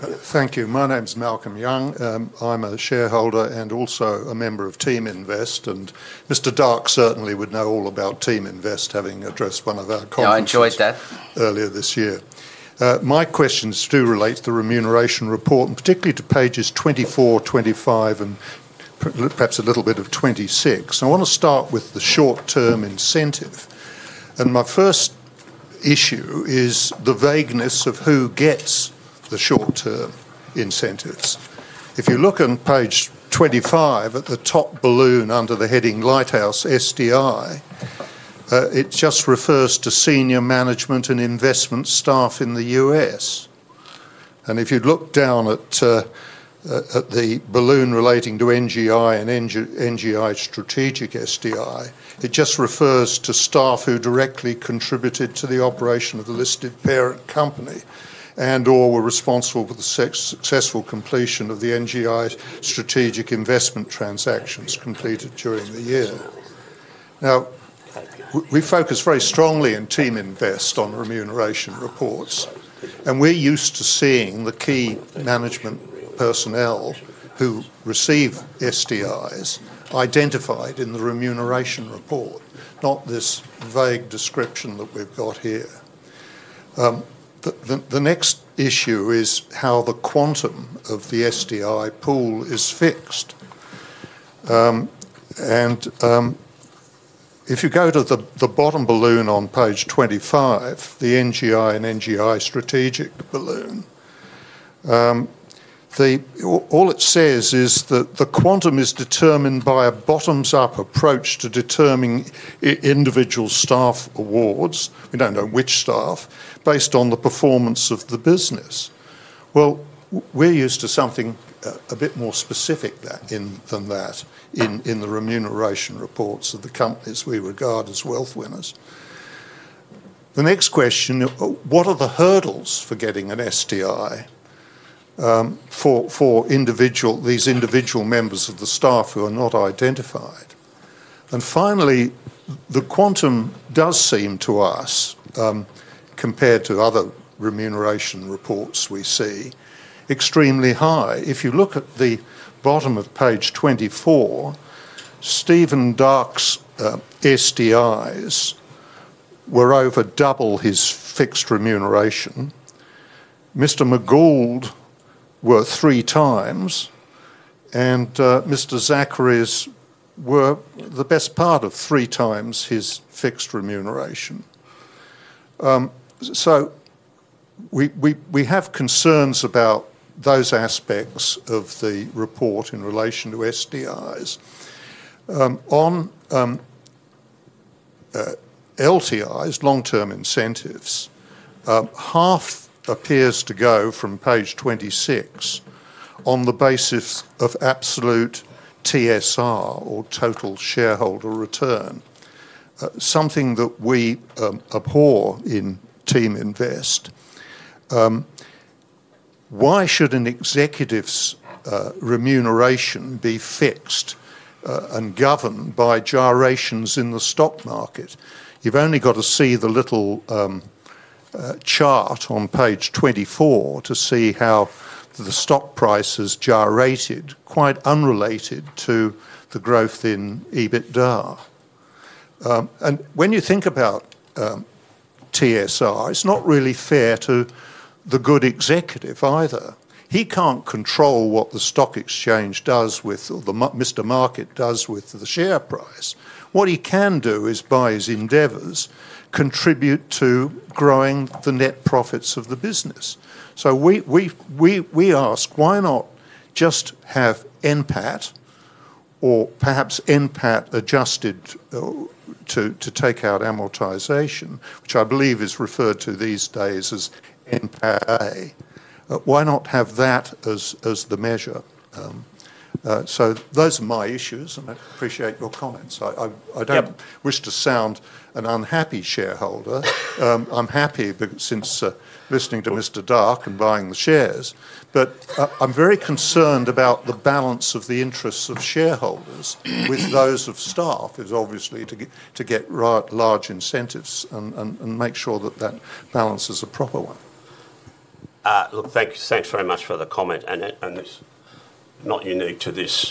Thank you. My name's Malcolm Young. I'm a shareholder and also a member of Teaminvest. Mr. Darke certainly would know all about Teaminvest having addressed one of our conferences earlier this year. My questions do relate to the remuneration report, and particularly to pages 24, 25, and perhaps a little bit of 26. I want to start with the short-term incentive. My first issue is the vagueness of who gets the short-term incentives. If you look on page 25 at the top balloon under the heading Lighthouse SDI, it just refers to senior management and investment staff in the U.S. If you look down at the balloon relating to NGI and NGI Strategic SDI, it just refers to staff who directly contributed to the operation of the listed parent company and/or were responsible for the successful completion of the NGI Strategic Investment transactions completed during the year. We focus very strongly in Teaminvest on remuneration reports, and we're used to seeing the key management personnel who receive SDIs identified in the remuneration report, not this vague description that we've got here. The next issue is how the quantum of the SDI pool is fixed. If you go to the bottom balloon on page 25, the NGI and NGI Strategic balloon, all it says is that the quantum is determined by a bottoms-up approach to determining individual staff awards—we don't know which staff—based on the performance of the business. We are used to something a bit more specific than that in the remuneration reports of the companies we regard as wealth winners. The next question, what are the hurdles for getting an SDI for these individual members of the staff who are not identified? Finally, the quantum does seem to us, compared to other remuneration reports we see, extremely high. If you look at the bottom of page 24, Stephen Darke's SDIs were over double his fixed remuneration. Mr. McGould were 3x, and Mr. Zachary's were the best part of 3x his fixed remuneration. We have concerns about those aspects of the report in relation to SDIs. On LTIs, long-term incentives, half appears to go from page 26 on the basis of absolute TSR or total shareholder return, something that we abhor in Teaminvest. Why should an Executive's remuneration be fixed and governed by gyrations in the stock market? You have only got to see the little chart on page 24 to see how the stock price has gyrated, quite unrelated to the growth in EBITDA. When you think about TSR, it is not really fair to the good Executive either. He cannot control what the stock exchange does with or what Mr. Market does with the share price. What he can do is, by his endeavors, contribute to growing the net profits of the business. We ask, why not just have NPAT or perhaps NPAT adjusted to take out amortization, which I believe is referred to these days as NPAA? Why not have that as the measure? Those are my issues, and I appreciate your comments. I do not wish to sound an unhappy shareholder. I am happy since listening to Mr. Darke and buying the shares. I am very concerned about the balance of the interests of shareholders with those of staff, obviously, to get large incentives and make sure that that balance is a proper one. Look, thanks very much for the comment. It is not unique to this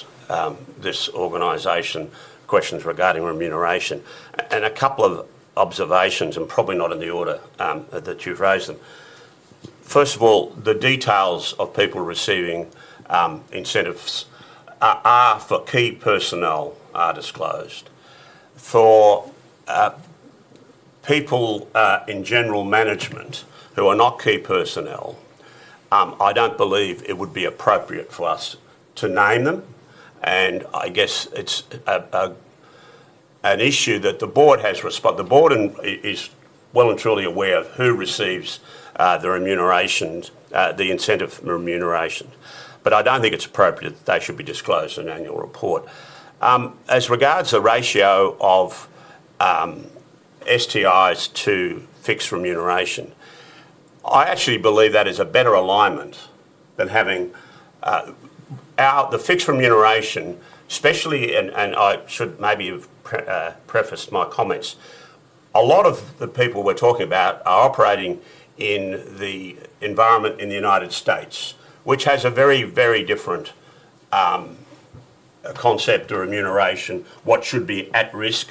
organization, questions regarding remuneration. A couple of observations, and probably not in the order that you have raised them. First of all, the details of people receiving incentives are for key personnel disclosed. For people in general management who are not key personnel, I do not believe it would be appropriate for us to name them. I guess it is an issue that the Board has responded. The board is well and truly aware of who receives the incentive remuneration. I do not think it is appropriate that they should be disclosed in annual report. As regards the ratio of STIs to fixed remuneration, I actually believe that is a better alignment than having the fixed remuneration, especially—I should maybe have prefaced my comments—a lot of the people we're talking about are operating in the environment in the United States, which has a very, very different concept of remuneration, what should be at risk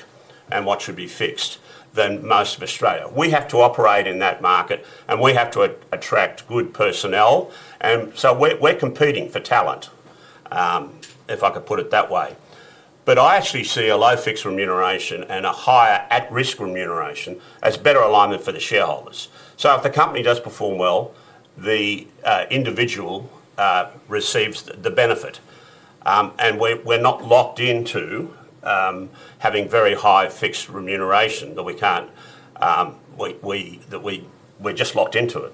and what should be fixed than most of Australia. We have to operate in that market, and we have to attract good personnel. We are competing for talent, if I could put it that way. I actually see a low fixed remuneration and a higher at-risk remuneration as better alignment for the shareholders. If the company does perform well, the individual receives the benefit. We are not locked into having very high fixed remuneration that we're just locked into.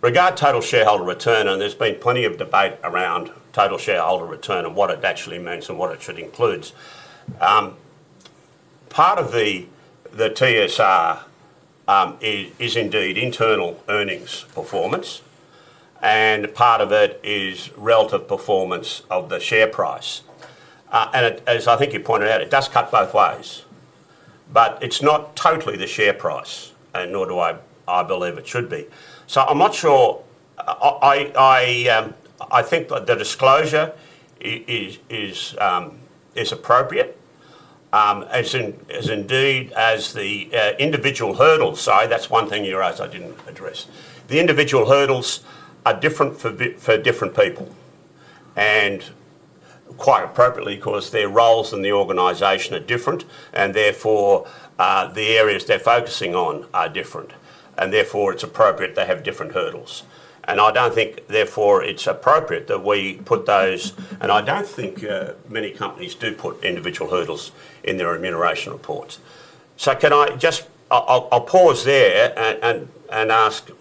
Regard total shareholder return, and there's been plenty of debate around total shareholder return and what it actually means and what it should include. Part of the TSR is indeed internal earnings performance, and part of it is relative performance of the share price. As I think you pointed out, it does cut both ways. It is not totally the share price, and nor do I believe it should be. I am not sure. I think the disclosure is appropriate, as indeed as the individual hurdles—sorry, that's one thing you asked I did not address. The individual hurdles are different for different people. Quite appropriately, because their roles in the organization are different, and therefore the areas they are focusing on are different. Therefore, it is appropriate they have different hurdles. I don't think, therefore, it's appropriate that we put those—I don't think many companies do put individual hurdles in their remuneration reports. Can I just—I'll pause there and ask, do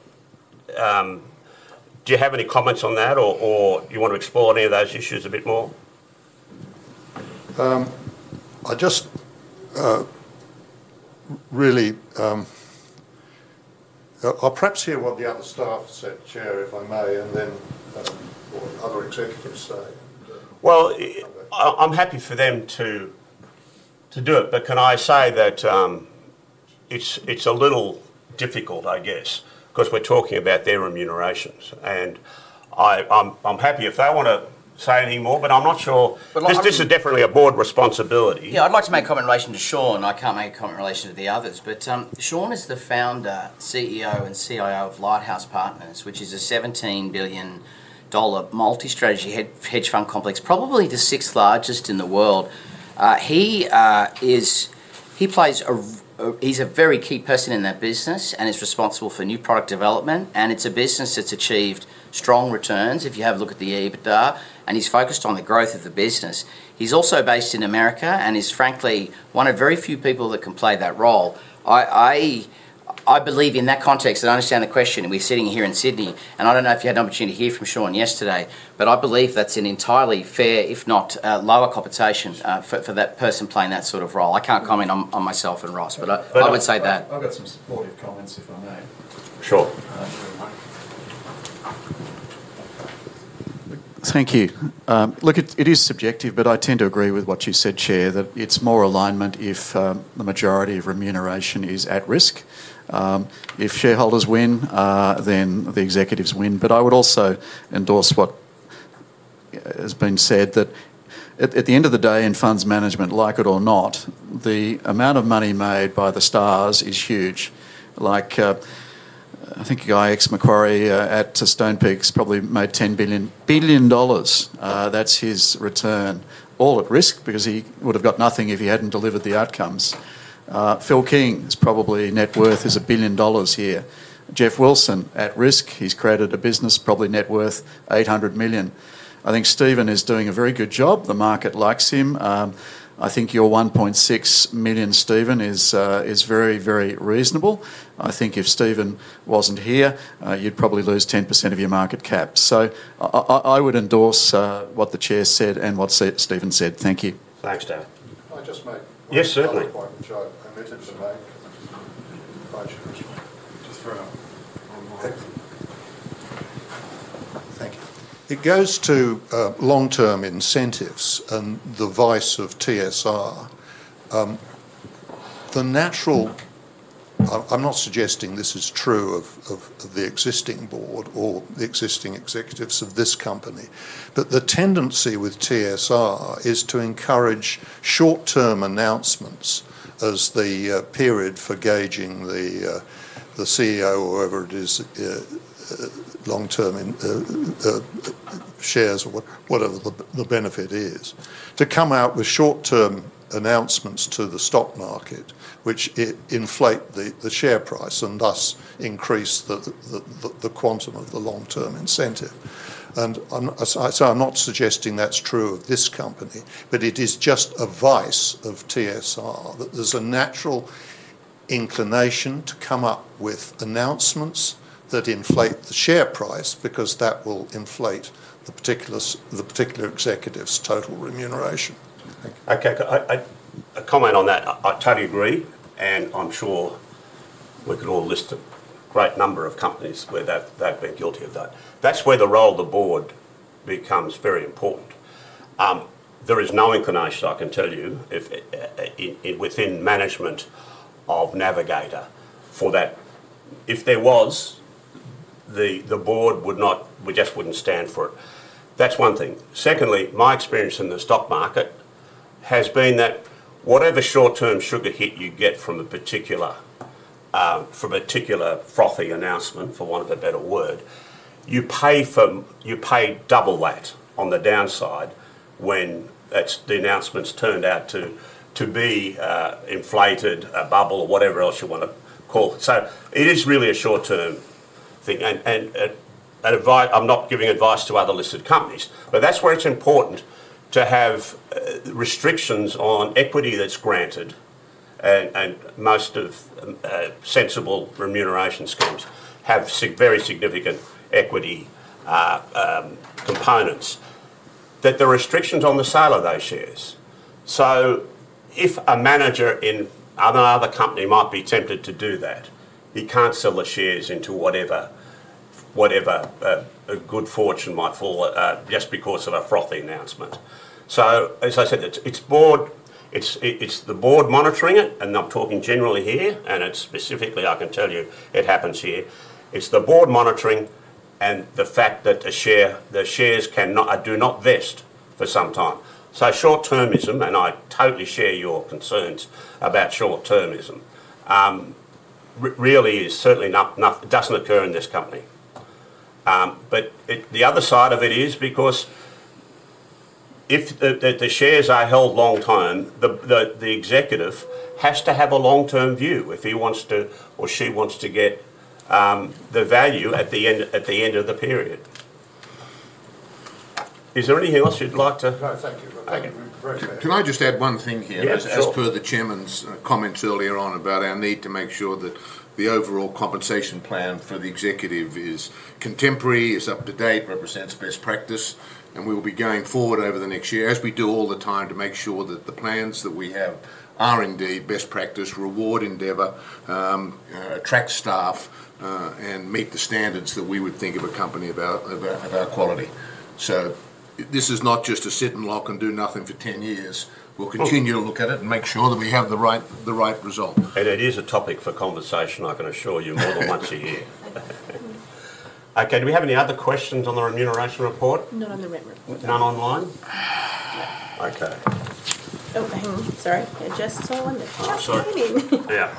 you have any comments on that, or do you want to explore any of those issues a bit more? I'll perhaps hear what the other staff said, Chair, if I may, and then what other Executives say. I'm happy for them to do it, but can I say that it's a little difficult, I guess, because we're talking about their remunerations. I'm happy if they want to say anything more, but I'm not sure. This is definitely a Board responsibility. Yeah, I'd like to make a comment in relation to Sean. I can't make a comment in relation to the others. Sean is the Founder, CEO, and CIO of Lighthouse Partners, which is a $17 billion multi-strategy hedge fund complex, probably the sixth largest in the world. He plays a—he's a very key person in that business and is responsible for new product development. It is a business that's achieved strong returns if you have a look at the EBITDA, and he's focused on the growth of the business. He's also based in America and is, frankly, one of very few people that can play that role. I believe in that context and understand the question. We're sitting here in Sydney, and I don't know if you had an opportunity to hear from Sean yesterday, but I believe that's an entirely fair, if not lower computation, for that person playing that sort of role. I can't comment on myself and Ross, but I would say that. I've got some supportive comments, if I may. Sure. Thank you. Look, it is subjective, but I tend to agree with what you said, Chair, that it's more alignment if the majority of remuneration is at risk. If shareholders win, then the Executives win. I would also endorse what has been said, that at the end of the day, in funds management, like it or not, the amount of money made by the stars is huge. I think IX Macquarie at Stonepeak probably made $10 billion. That's his return, all at risk because he would have got nothing if he hadn't delivered the outcomes. Phil King's probably net worth is $1 billion here. Jeff Wilson at Risk. He's created a business, probably net worth $800 million. I think Stephen is doing a very good job. The market likes him. I think your $1.6 million, Stephen, is very, very reasonable. I think if Stephen wasn't here, you'd probably lose 10% of your market cap. So I would endorse what the Chair said and what Stephen said. Thank you. Thanks, David. I just made— Yes, certainly. I admit it to make. I just threw it up. Thank you. It goes to long-term incentives and the vice of TSR. The natural—I'm not suggesting this is true of the existing Board or the existing Executives of this company—but the tendency with TSR is to encourage short-term announcements as the period for gauging the CEO or whoever it is, long-term shares or whatever the benefit is, to come out with short-term announcements to the stock market, which inflate the share price and thus increase the quantum of the long-term incentive. I'm not suggesting that's true of this company, but it is just a vice of TSR that there's a natural inclination to come up with announcements that inflate the share price because that will inflate the particular Executive's total remuneration. Okay. A comment on that. I totally agree. And I'm sure we could all list a great number of companies where they've been guilty of that. That's where the role of the Board becomes very important. There is no inclination, I can tell you, within management of Navigator for that. If there was, the Board would not—we just wouldn't stand for it. That's one thing. Secondly, my experience in the stock market has been that whatever short-term sugar hit you get from a particular frothy announcement, for want of a better word, you pay double that on the downside when the announcement's turned out to be inflated, a bubble, or whatever else you want to call it. It is really a short-term thing. I'm not giving advice to other listed companies, but that's where it's important to have restrictions on equity that's granted, and most of sensible remuneration schemes have very significant equity components, that there are restrictions on the sale of those shares. If a manager in another company might be tempted to do that, he can't sell the shares into whatever a good fortune might fall just because of a frothy announcement. As I said, it's the Board monitoring it, and I'm talking generally here, and specifically, I can tell you, it happens here. It's the Board monitoring and the fact that the shares do not vest for some time. Short-termism, and I totally share your concerns about short-termism, really certainly doesn't occur in this company. The other side of it is because if the shares are held long-term, the Executive has to have a long-term view if he wants to or she wants to get the value at the end of the period. Is there anything else you'd like to? No, thank you. I think it's very clear. Can I just add one thing here? As per the Chairman's comments earlier on about our need to make sure that the overall compensation plan for the Executive is contemporary, is up to date, represents best practice, and we will be going forward over the next year, as we do all the time, to make sure that the plans that we have are indeed best practice, reward endeavor, attract staff, and meet the standards that we would think of a company about quality. This is not just a sit and lock and do nothing for 10 years. We'll continue to look at it and make sure that we have the right result. It is a topic for conversation, I can assure you, more than once a year. Okay. Do we have any other questions on the remuneration report? Not on the rep report. None online? Okay. Oh, hang on. Sorry. Just on the chat screen. I'm sorry. Yeah.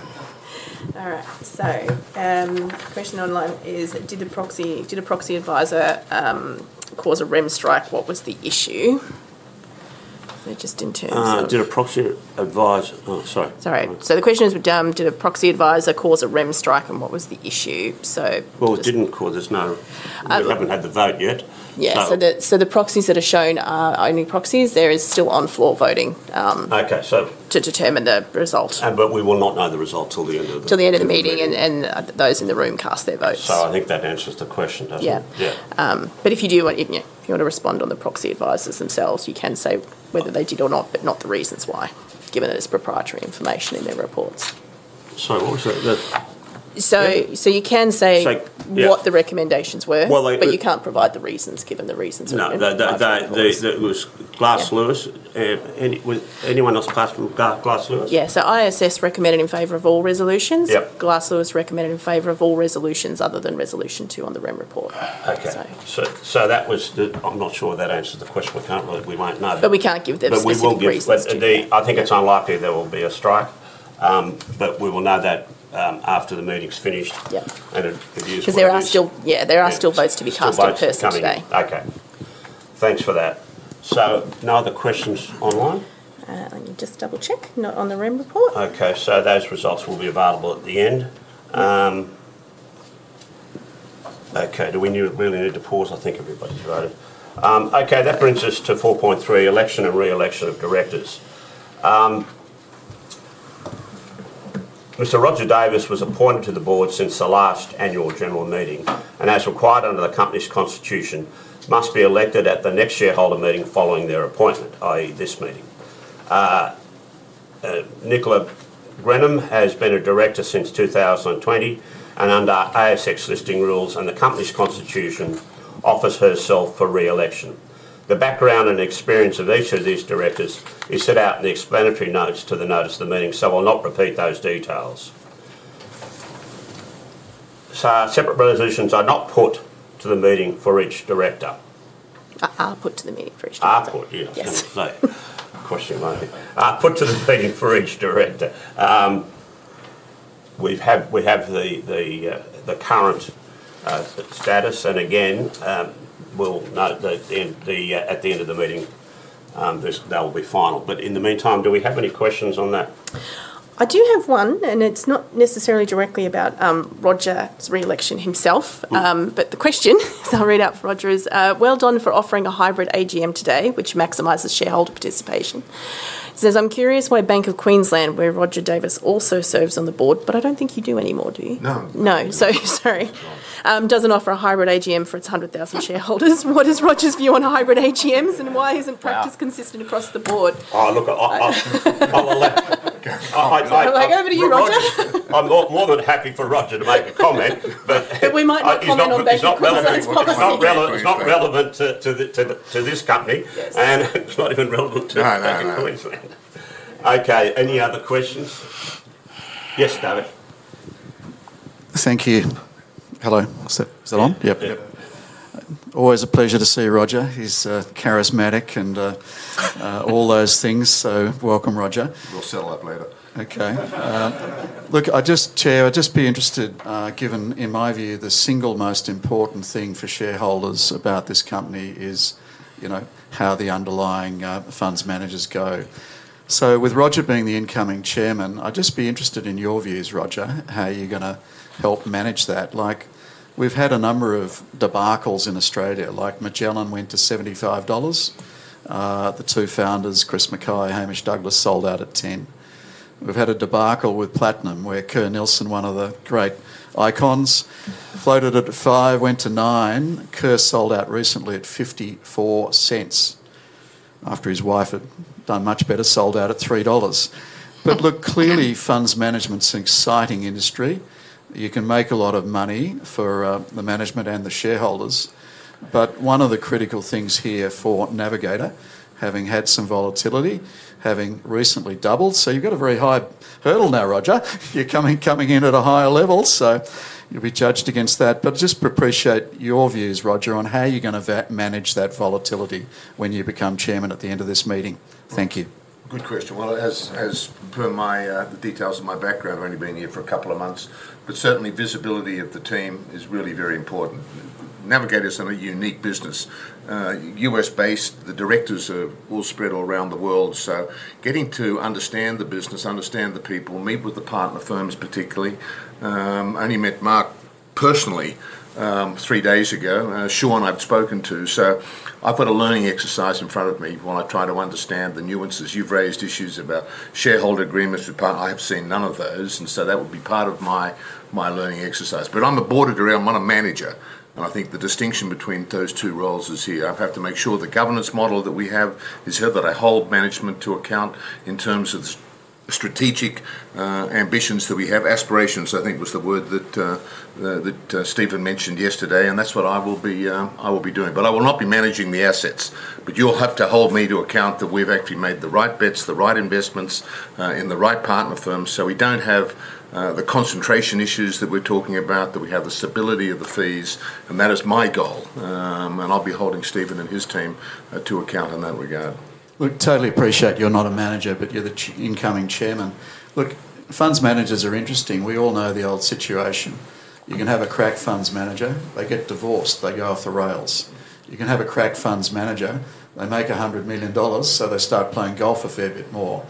All right. The question online is, did a proxy advisor cause a REM strike? What was the issue? Just in terms of. Did a proxy advisor—oh, sorry. Sorry. The question is, did a proxy advisor cause a REM strike, and what was the issue? The. It did not cause it. It is no—we have not had the vote yet. Yeah. So the proxies that are shown are only proxies. There is still on-floor voting to determine the result. We will not know the result till the end of the meeting. Till the end of the meeting, and those in the room cast their votes. I think that answers the question, doesn't it? Yeah. If you do want—if you want to respond on the proxy advisors themselves, you can say whether they did or not, but not the reasons why, given that it is proprietary information in their reports. Sorry, what was that? You can say what the recommendations were, but you can't provide the reasons given the reasons of the. No. It was Glass Lewis. Anyone else? Glass Lewis? Yeah. ISS recommended in favor of all resolutions. Glass Lewis recommended in favor of all resolutions other than resolution two on the REM report. Okay. I'm not sure that answers the question. We won't know. We can't give the specific reasons. We will give the specifics. I think it's unlikely there will be a strike, but we will know that after the meeting's finished, and it could use some reasons. Because there are still—yeah, there are still votes to be cast by persons there. Okay. Thanks for that. No other questions online? Let me just double-check. Not on the REM report. Okay. So those results will be available at the end. Okay. Do we really need to pause? I think everybody's voted. Okay. That brings us to 4.3, election and re-election of Directors. Mr. Roger Davis was appointed to the Board since the last annual general meeting, and as required under the company's constitution, must be elected at the next shareholder meeting following their appointment, i.e., this meeting. Nicola Grenham has been a director since 2020, and under ASX listing rules and the company's constitution, offers herself for re-election. The background and experience of each of these Directors is set out in the explanatory notes to the notice of the meeting, so I'll not repeat those details. Separate resolutions are now put to the meeting for each Director. Are put to the meeting for each Director. Are put. Yeah. Sorry. Question only. Are put to the meeting for each Director. We have the current status, and again, we'll note that at the end of the meeting, they will be final. In the meantime, do we have any questions on that? I do have one, and it's not necessarily directly about Roger's re-election himself, but the question—so I'll read it out for Roger—is well done for offering a hybrid AGM today, which maximizes shareholder participation. He says, "I'm curious why Bank of Queensland, where Roger Davis also serves on the Board—" but I don't think you do anymore, do you? No. No. So sorry. "Doesn't offer a hybrid AGM for its 100,000 shareholders. What is Roger's view on hybrid AGMs, and why isn't practice consistent across the Board? Oh, look. I'll hand it back over to you, Roger. I'm more than happy for Roger to make a comment, but. We might not comment on banking practice. It's not relevant to this company, and it's not even relevant to Bank of Queensland. Okay. Any other questions? Yes, David. Thank you. Hello. Is it on? Yep. Yep. Always a pleasure to see Roger. He's charismatic and all those things, so welcome, Roger. We'll settle up later. Okay. Look, Chair, I'd just be interested, given, in my view, the single most important thing for shareholders about this company is how the underlying funds managers go. With Roger being the incoming Chairman, I'd just be interested in your views, Roger, how you're going to help manage that. We've had a number of debacles in Australia. Magellan went to $75. The two Founders, Chris Mackay and Hamish Douglass, sold out at 10. We've had a debacle with Platinum where Kerr Neilson, one of the great icons, floated at 5, went to 9. Kerr sold out recently at $0.54 after his wife had done much better, sold out at $3. Clearly, funds management's an exciting industry. You can make a lot of money for the management and the shareholders. One of the critical things here for Navigator, having had some volatility, having recently doubled—so you've got a very high hurdle now, Roger. You're coming in at a higher level, so you'll be judged against that. Just appreciate your views, Roger, on how you're going to manage that volatility when you become Chairman at the end of this meeting. Thank you. Good question. As per the details of my background, I've only been here for a couple of months, but certainly, visibility of the team is really very important. Navigator's a unique business. U.S.-based, the directors are all spread all around the world. Getting to understand the business, understand the people, meet with the Partner Firms particularly—I only met Marc personally three days ago. Sean I've spoken to. I've got a learning exercise in front of me while I try to understand the nuances. You've raised issues about shareholder agreements with partners. I have seen none of those, and that would be part of my learning exercise. I'm a boarded area; I'm not a manager. I think the distinction between those two roles is here. I have to make sure the governance model that we have is that I hold management to account in terms of the strategic ambitions that we have. Aspirations, I think, was the word that Stephen mentioned yesterday, and that is what I will be doing. I will not be managing the assets, but you will have to hold me to account that we have actually made the right bets, the right investments in the right partner firms so we do not have the concentration issues that we are talking about, that we have the stability of the fees, and that is my goal. I will be holding Stephen and his team to account in that regard. Look, totally appreciate you're not a manager, but you're the incoming Chairman. Look, funds managers are interesting. We all know the old situation. You can have a crack funds manager; they get divorced, they go off the rails. You can have a crack funds manager; they make $100 million, so they start playing golf a fair bit more.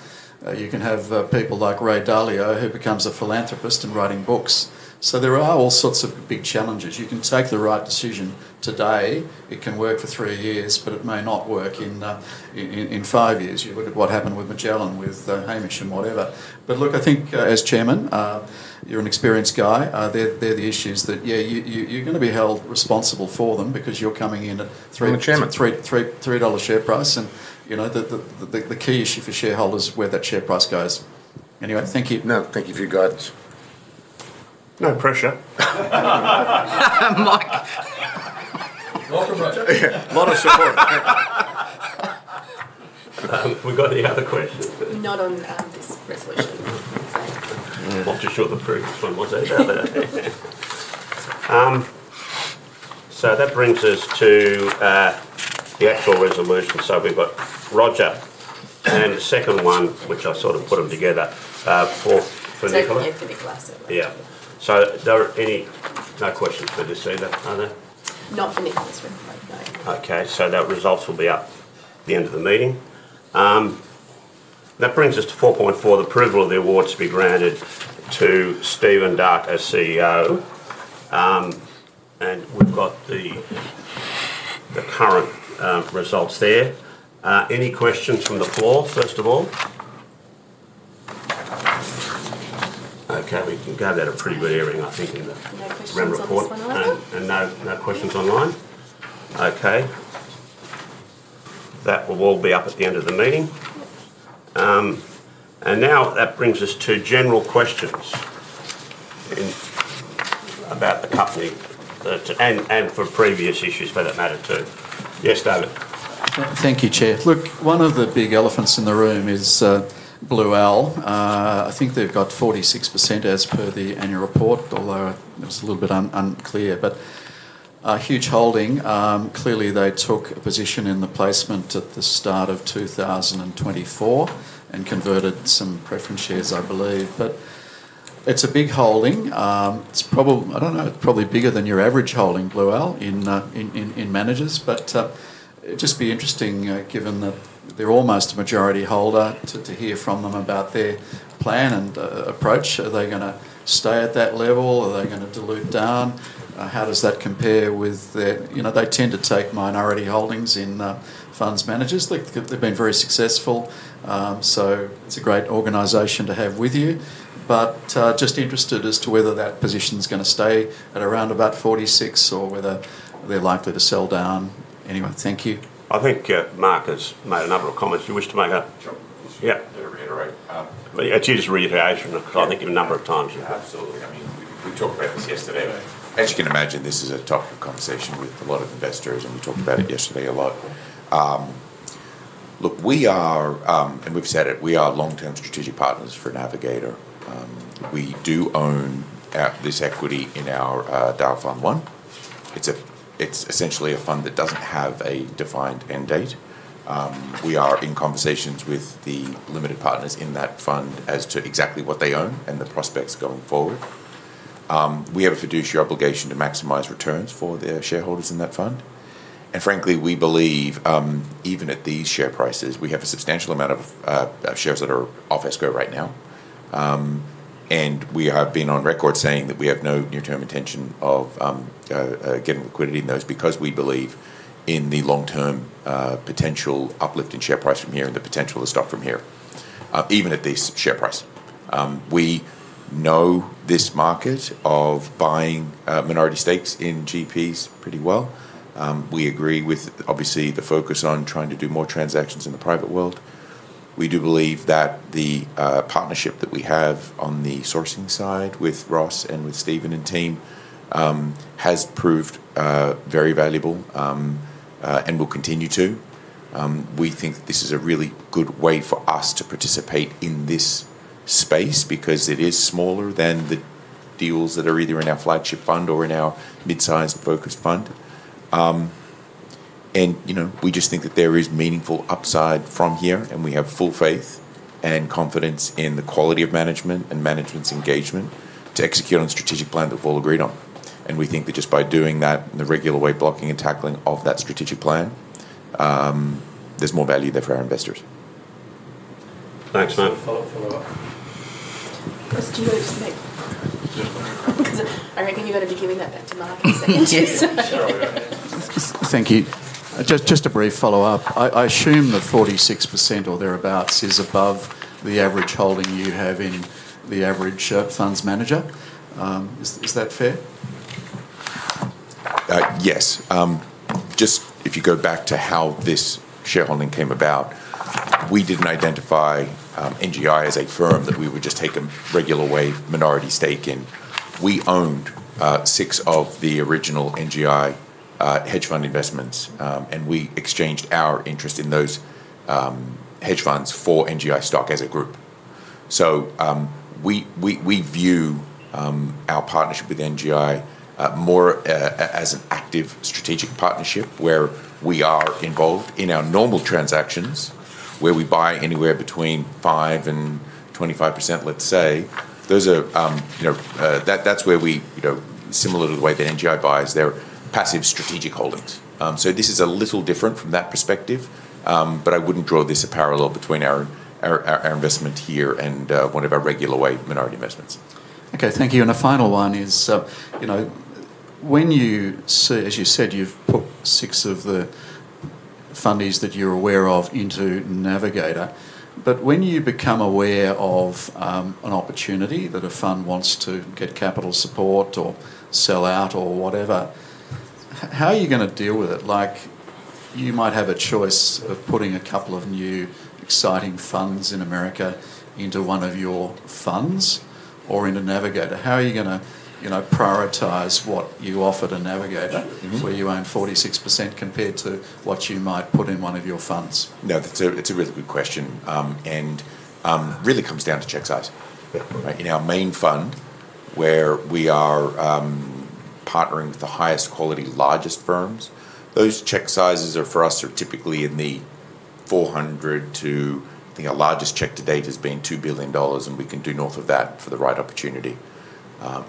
You can have people like Ray Dalio who becomes a philanthropist and writing books. There are all sorts of big challenges. You can take the right decision today; it can work for three years, but it may not work in five years if you look at what happened with Magellan, with Hamish, and whatever. I think as Chairman, you're an experienced guy. They're the issues that, yeah, you're going to be held responsible for them because you're coming in at $3 share price, and the key issue for shareholders is where that share price goes. Anyway, thank you. No. Thank you for your guidance. No pressure. Mike. Welcome, Roger. A lot of support. We've got the other questions. Not on this resolution. I'm not too sure the previous one was about that. That brings us to the actual resolution. We've got Roger and the second one, which I sort of put them together for Nicola. Certainly for Nicola. Yeah. So no questions for this either, are there? Not for Nicola. Okay. So that results will be up at the end of the meeting. That brings us to 4.4, the approval of the award to be granted to Stephen Darke as CEO. And we've got the current results there. Any questions from the floor, first of all? Okay. We've got a pretty good hearing, I think, in the REM report. No questions online. No questions online. Okay. That will all be up at the end of the meeting. Now that brings us to general questions about the company and for previous issues, for that matter, too. Yes, David. Thank you, Chair. Look, one of the big elephants in the room is Blue Owl. I think they've got 46% as per the annual report, although it's a little bit unclear. It's a huge holding. Clearly, they took a position in the placement at the start of 2024 and converted some preference shares, I believe. It's a big holding. I don't know. It's probably bigger than your average holding, Blue Owl, in managers. It'd just be interesting, given that they're almost a majority holder, to hear from them about their plan and approach. Are they going to stay at that level? Are they going to dilute down? How does that compare with their—they tend to take minority holdings in funds managers. They've been very successful, so it's a great organisation to have with you. Just interested as to whether that position's going to stay at around about 46 or whether they're likely to sell down. Anyway, thank you. I think Marc has made a number of comments. Do you wish to make a— Sure. Yeah. Let me reiterate. Yeah. To just reiterate, I think you've a number of times you have. Absolutely. I mean, we talked about this yesterday. As you can imagine, this is a topic of conversation with a lot of investors, and we talked about it yesterday a lot. Look, we are—and we've said it—we are long-term strategic partners for Navigator. We do own this equity in our DAR Fund One. It's essentially a fund that doesn't have a defined end date. We are in conversations with the limited partners in that fund as to exactly what they own and the prospects going forward. We have a fiduciary obligation to maximize returns for their shareholders in that fund. Frankly, we believe, even at these share prices, we have a substantial amount of shares that are off escrow right now. We have been on record saying that we have no near-term intention of getting liquidity in those because we believe in the long-term potential uplift in share price from here and the potential to stop from here, even at this share price. We know this market of buying minority stakes in GPs pretty well. We agree with, obviously, the focus on trying to do more transactions in the private world. We do believe that the partnership that we have on the sourcing side with Ross and with Stephen and team has proved very valuable and will continue to. We think this is a really good way for us to participate in this space because it is smaller than the deals that are either in our flagship fund or in our mid-sized focus fund. We just think that there is meaningful upside from here, and we have full faith and confidence in the quality of management and management's engagement to execute on a strategic plan that we've all agreed on. We think that just by doing that and the regular way blocking and tackling of that strategic plan, there's more value there for our investors. Thanks, mate. Follow-up. Question you wanted to make? I reckon you're going to be giving that back to Marc in a second. Thank you. Just a brief follow-up. I assume that 46% or thereabouts is above the average holding you have in the average funds manager. Is that fair? Yes. Just if you go back to how this shareholding came about, we did not identify NGI as a firm that we would just take a regular way minority stake in. We owned six of the original NGI hedge fund investments, and we exchanged our interest in those hedge funds for NGI stock as a group. We view our partnership with NGI more as an active strategic partnership where we are involved in our normal transactions, where we buy anywhere between 5% and 25%, let's say. Those are—that is where we, similar to the way that NGI buys, they are passive strategic holdings. This is a little different from that perspective, but I would not draw this as a parallel between our investment here and one of our regular way minority investments. Okay. Thank you. A final one is, when you see—as you said, you have put six of the fundies that you are aware of into Navigator. When you become aware of an opportunity that a fund wants to get capital support or sell out or whatever, how are you going to deal with it? You might have a choice of putting a couple of new exciting funds in America into one of your funds or into Navigator. How are you going to prioritize what you offer to Navigator where you own 46% compared to what you might put in one of your funds? No. It's a really good question. It really comes down to check size. In our main fund, where we are partnering with the highest quality, largest firms, those check sizes for us are typically in the $400 million to—I think our largest check to date has been $2 billion, and we can do north of that for the right opportunity.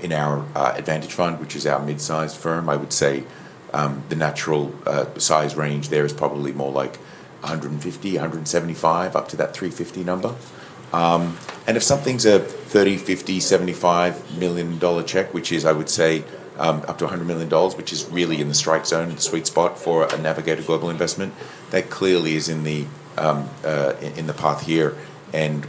In our advantage fund, which is our mid-sized firm, I would say the natural size range there is probably more like $150 million, $175 million, up to that $350 million number. If something's a $30 million, $50 million, $75 million check, which is, I would say, up to $100 million, which is really in the strike zone, the sweet spot for a Navigator Global Investment, that clearly is in the path here.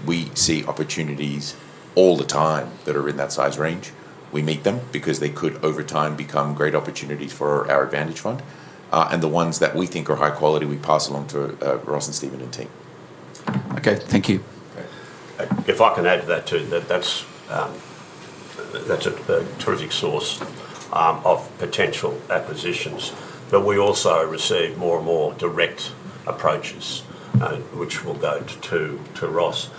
We see opportunities all the time that are in that size range. We meet them because they could, over time, become great opportunities for our advantage fund. The ones that we think are high quality, we pass along to Ross and Stephen and team. Okay. Thank you. If I can add to that, too, that's a terrific source of potential acquisitions. We also receive more and more direct approaches, which will go to Ross.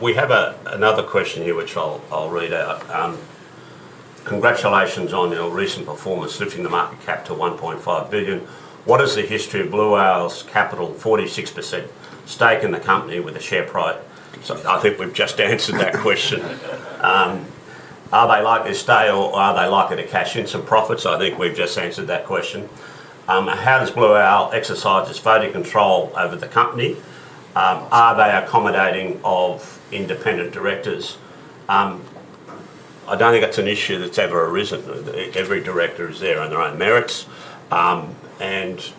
We have another question here, which I'll read out. Congratulations on your recent performance, lifting the market cap to $1.5 billion. What is the history of Blue Owl Capital's 46% stake in the company with a share price? I think we've just answered that question. Are they likely to stay, or are they likely to cash in some profits? I think we've just answered that question. How does Blue Owl exercise its voting control over the company? Are they accommodating of independent directors? I don't think it's an issue that's ever arisen. Every Director is there on their own merits. And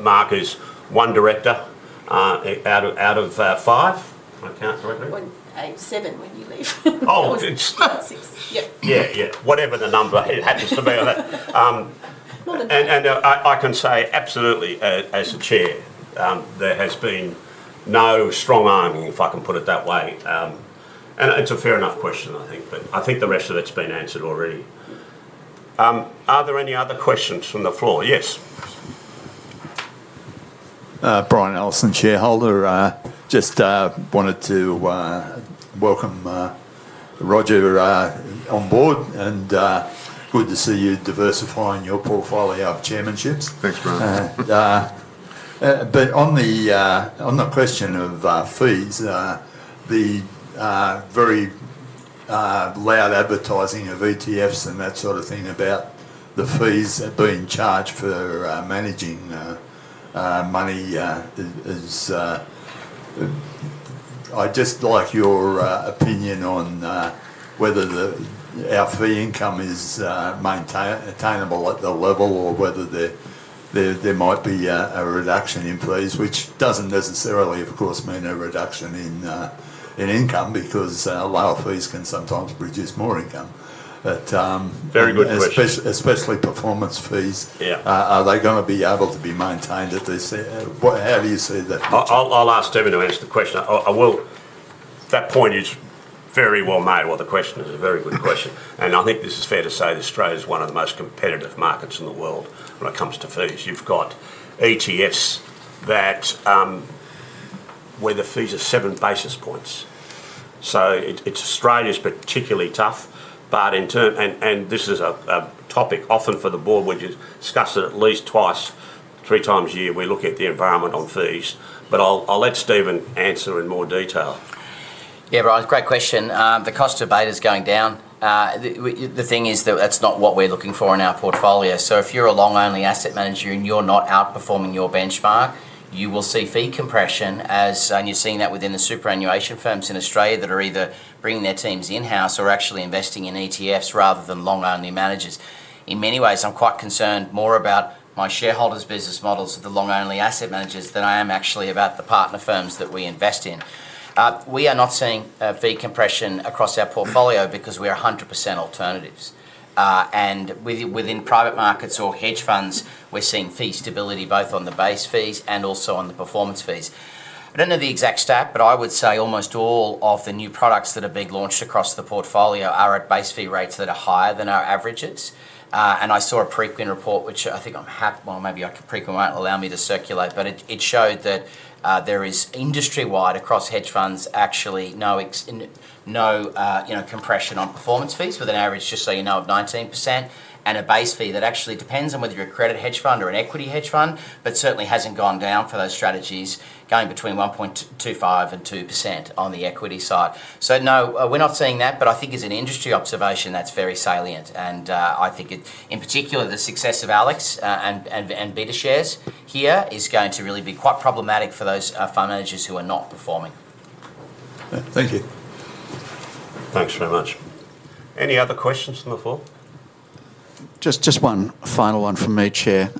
Marc is one director out of five? I count correctly? Seven when you leave. Oh, good. Six. Yeah. Yeah. Yeah. Whatever the number happens to be. More than that. I can say absolutely, as Chair, there has been no strong arming, if I can put it that way. It is a fair enough question, I think. I think the rest of it has been answered already. Are there any other questions from the floor? Yes. Just wanted to welcome Roger on Board, and good to see you diversifying your portfolio of chairmanships. Thanks, Brian. On the question of fees, the very loud advertising of ETFs and that sort of thing about the fees being charged for managing money is—I would just like your opinion on whether our fee income is maintainable at the level or whether there might be a reduction in fees, which does not necessarily, of course, mean a reduction in income because lower fees can sometimes produce more income. Very good question. Especially performance fees. Are they going to be able to be maintained at this? How do you see that? I'll ask Stephen to answer the question. That point is very well made, what the question is. A very good question. I think this is fair to say that Australia is one of the most competitive markets in the world when it comes to fees. You've got ETFs where the fees are seven basis points. Australia's particularly tough. This is a topic often for the Board, which is discussed at least twice, 3x a year. We look at the environment on fees. I'll let Stephen answer in more detail. Yeah, Brian, great question. The cost of data is going down. The thing is that that's not what we're looking for in our portfolio. If you're a long-only asset manager and you're not outperforming your benchmark, you will see fee compression, and you're seeing that within the superannuation firms in Australia that are either bringing their teams in-house or actually investing in ETFs rather than long-only managers. In many ways, I'm quite concerned more about my shareholders' business models of the long-only asset managers than I am actually about the Partner Firms that we invest in. We are not seeing fee compression across our portfolio because we are 100% alternatives. Within private markets or hedge funds, we're seeing fee stability both on the base fees and also on the performance fees. I don't know the exact stat, but I would say almost all of the new products that are being launched across the portfolio are at base fee rates that are higher than our averages. I saw a Preqin report, which I think I'm happy—maybe Preqin won't allow me to circulate—but it showed that there is industry-wide across hedge funds actually no compression on performance fees with an average, just so you know, of 19% and a base fee that actually depends on whether you're a credit hedge fund or an equity hedge fund, but certainly hasn't gone down for those strategies going between 1.25%-2% on the equity side. No, we're not seeing that, but I think as an industry observation, that's very salient. I think, in particular, the success of Alex and BetaShares here is going to really be quite problematic for those fund managers who are not performing. Thank you. Thanks very much. Any other questions from the floor? Just one final one from me, Chair.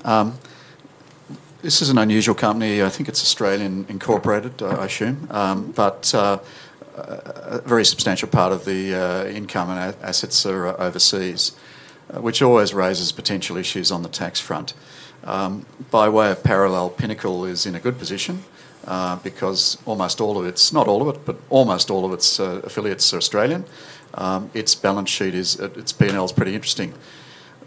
This is an unusual company. I think it's Australian incorporated, I assume, but a very substantial part of the income and assets are overseas, which always raises potential issues on the tax front. By way of parallel, Pinnacle is in a good position because almost all of its—not all of it, but almost all of its affiliates are Australian. Its balance sheet is, its P&L is pretty interesting.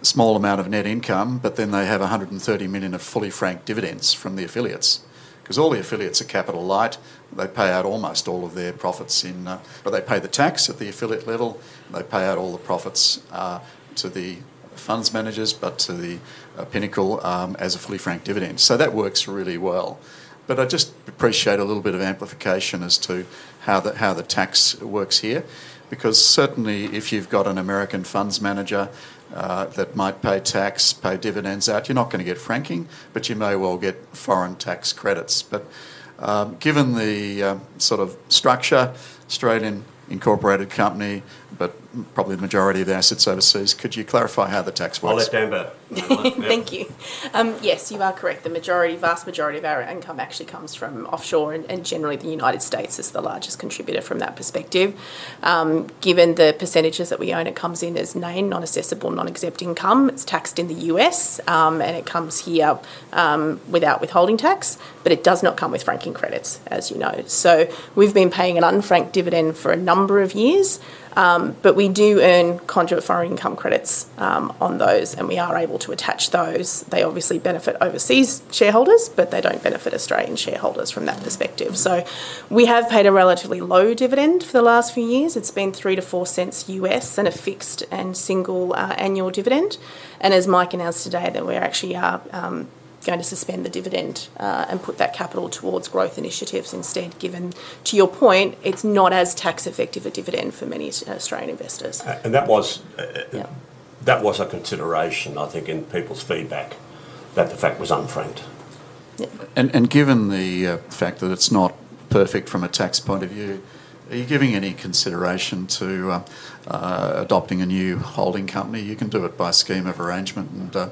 Small amount of net income, but then they have 130 million of fully franked dividends from the affiliates because all the affiliates are capital light. They pay out almost all of their profits in, but they pay the tax at the affiliate level. They pay out all the profits to the funds managers, but to Pinnacle as a fully franked dividend. That works really well. I just appreciate a little bit of amplification as to how the tax works here because certainly, if you've got an American funds manager that might pay tax, pay dividends out, you're not going to get franking, but you may well get foreign tax credits. Given the sort of structure, Australian incorporated company, but probably the majority of the assets overseas, could you clarify how the tax works? I'll let Dan bet. Thank you. Yes, you are correct. The vast majority of our income actually comes from offshore, and generally, the United States is the largest contributor from that perspective. Given the percentages that we own, it comes in as non-assessable, non-exempt income. It is taxed in the U.S., and it comes here without withholding tax, but it does not come with franking credits, as you know. We have been paying an unfranked dividend for a number of years, but we do earn conduit foreign income credits on those, and we are able to attach those. They obviously benefit overseas shareholders, but they do not benefit Australian shareholders from that perspective. We have paid a relatively low dividend for the last few years. It has been $0.03-$0.04 and a fixed and single annual dividend. As Mike announced today, we actually are going to suspend the dividend and put that capital towards growth initiatives instead, given to your point, it is not as tax-effective a dividend for many Australian investors. That was a consideration, I think, in people's feedback that the fact was unfranked. Given the fact that it's not perfect from a tax point of view, are you giving any consideration to adopting a new holding company? You can do it by scheme of arrangement and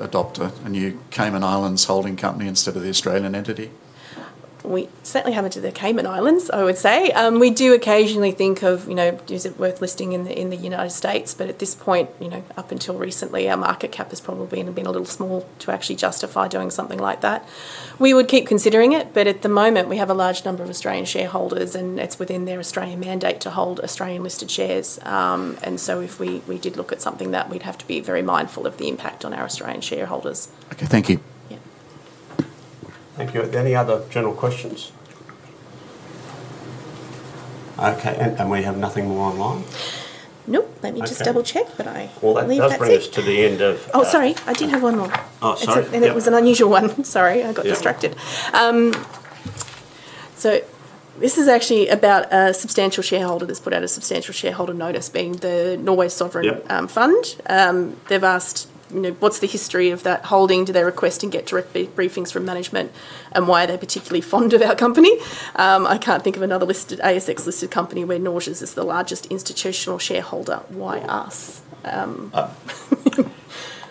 adopt a new Cayman Islands holding company instead of the Australian entity. We certainly have not to the Cayman Islands, I would say. We do occasionally think of, is it worth listing in the United States? At this point, up until recently, our market cap has probably been a little small to actually justify doing something like that. We would keep considering it, but at the moment, we have a large number of Australian shareholders, and it is within their Australian mandate to hold Australian-listed shares. If we did look at something, we would have to be very mindful of the impact on our Australian shareholders. Okay. Thank you. Yeah. Thank you. Any other general questions? Okay. We have nothing more online? Nope. Let me just double-check, but I leave that here. That brings us to the end of. Oh, sorry. I did have one more. Oh, sorry. It was an unusual one. Sorry. I got distracted. This is actually about a substantial shareholder that has put out a substantial shareholder notice, being the Norway Sovereign Fund. They have asked, what is the history of that holding? Do they request and get direct briefings from management? And why are they particularly fond of our company? I cannot think of another ASX-listed company where Norges is the largest institutional shareholder. Why us?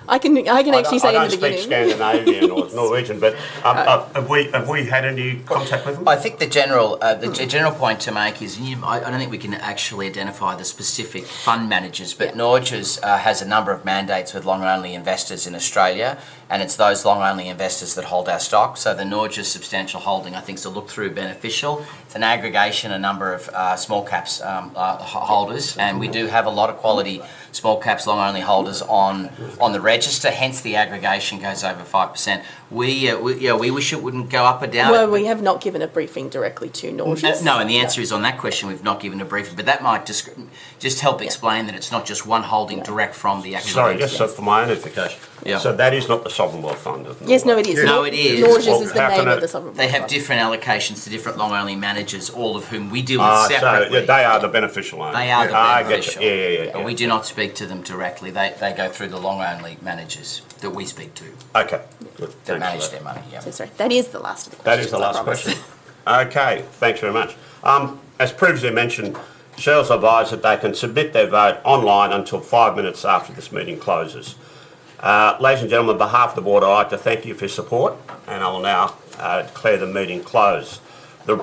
I can actually say in the beginning. I think it's Scandinavian or Norwegian, but have we had any contact with them? I think the general point to make is I don't think we can actually identify the specific fund managers, but Norges has a number of mandates with long-only investors in Australia, and it's those long-only investors that hold our stock. So the Norges substantial holding, I think, is a look-through beneficial. It's an aggregation, a number of small-caps holders. And we do have a lot of quality small-caps long-only holders on the register, hence the aggregation goes over 5%. Yeah, we wish it wouldn't go up or down. We have not given a briefing directly to Norges. No. The answer is on that question, we've not given a briefing, but that might just help explain that it's not just one holding direct from the actual company. Sorry. Just for my own education. So that is not the Sovereign Wealth Fund, isn't it? Yes, no, it isn't. Norges is the bank of the Sovereign World Fund. They have different allocations to different long-only managers, all of whom we deal with separately. Oh, so they are the beneficial owners? They are the beneficial owners. Yeah, yeah. We do not speak to them directly. They go through the long-only managers that we speak to. Okay. That manage their money. Yeah. Sorry. That is the last of the questions. That is the last question. Okay. Thanks very much. As previously mentioned, shareholders are advised that they can submit their vote online until five minutes after this meeting closes. Ladies and gentlemen, on behalf of the Board, I'd like to thank you for your support, and I will now declare the meeting closed. The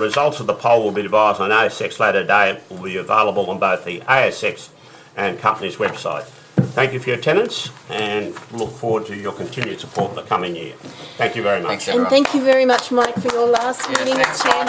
results of the poll will be advised on ASX later today and will be available on both the ASX and company's website. Thank you for your attendance, and we look forward to your continued support in the coming year. Thank you very much. Thanks, everyone. Thank you very much, Mike, for your last meeting, Chair.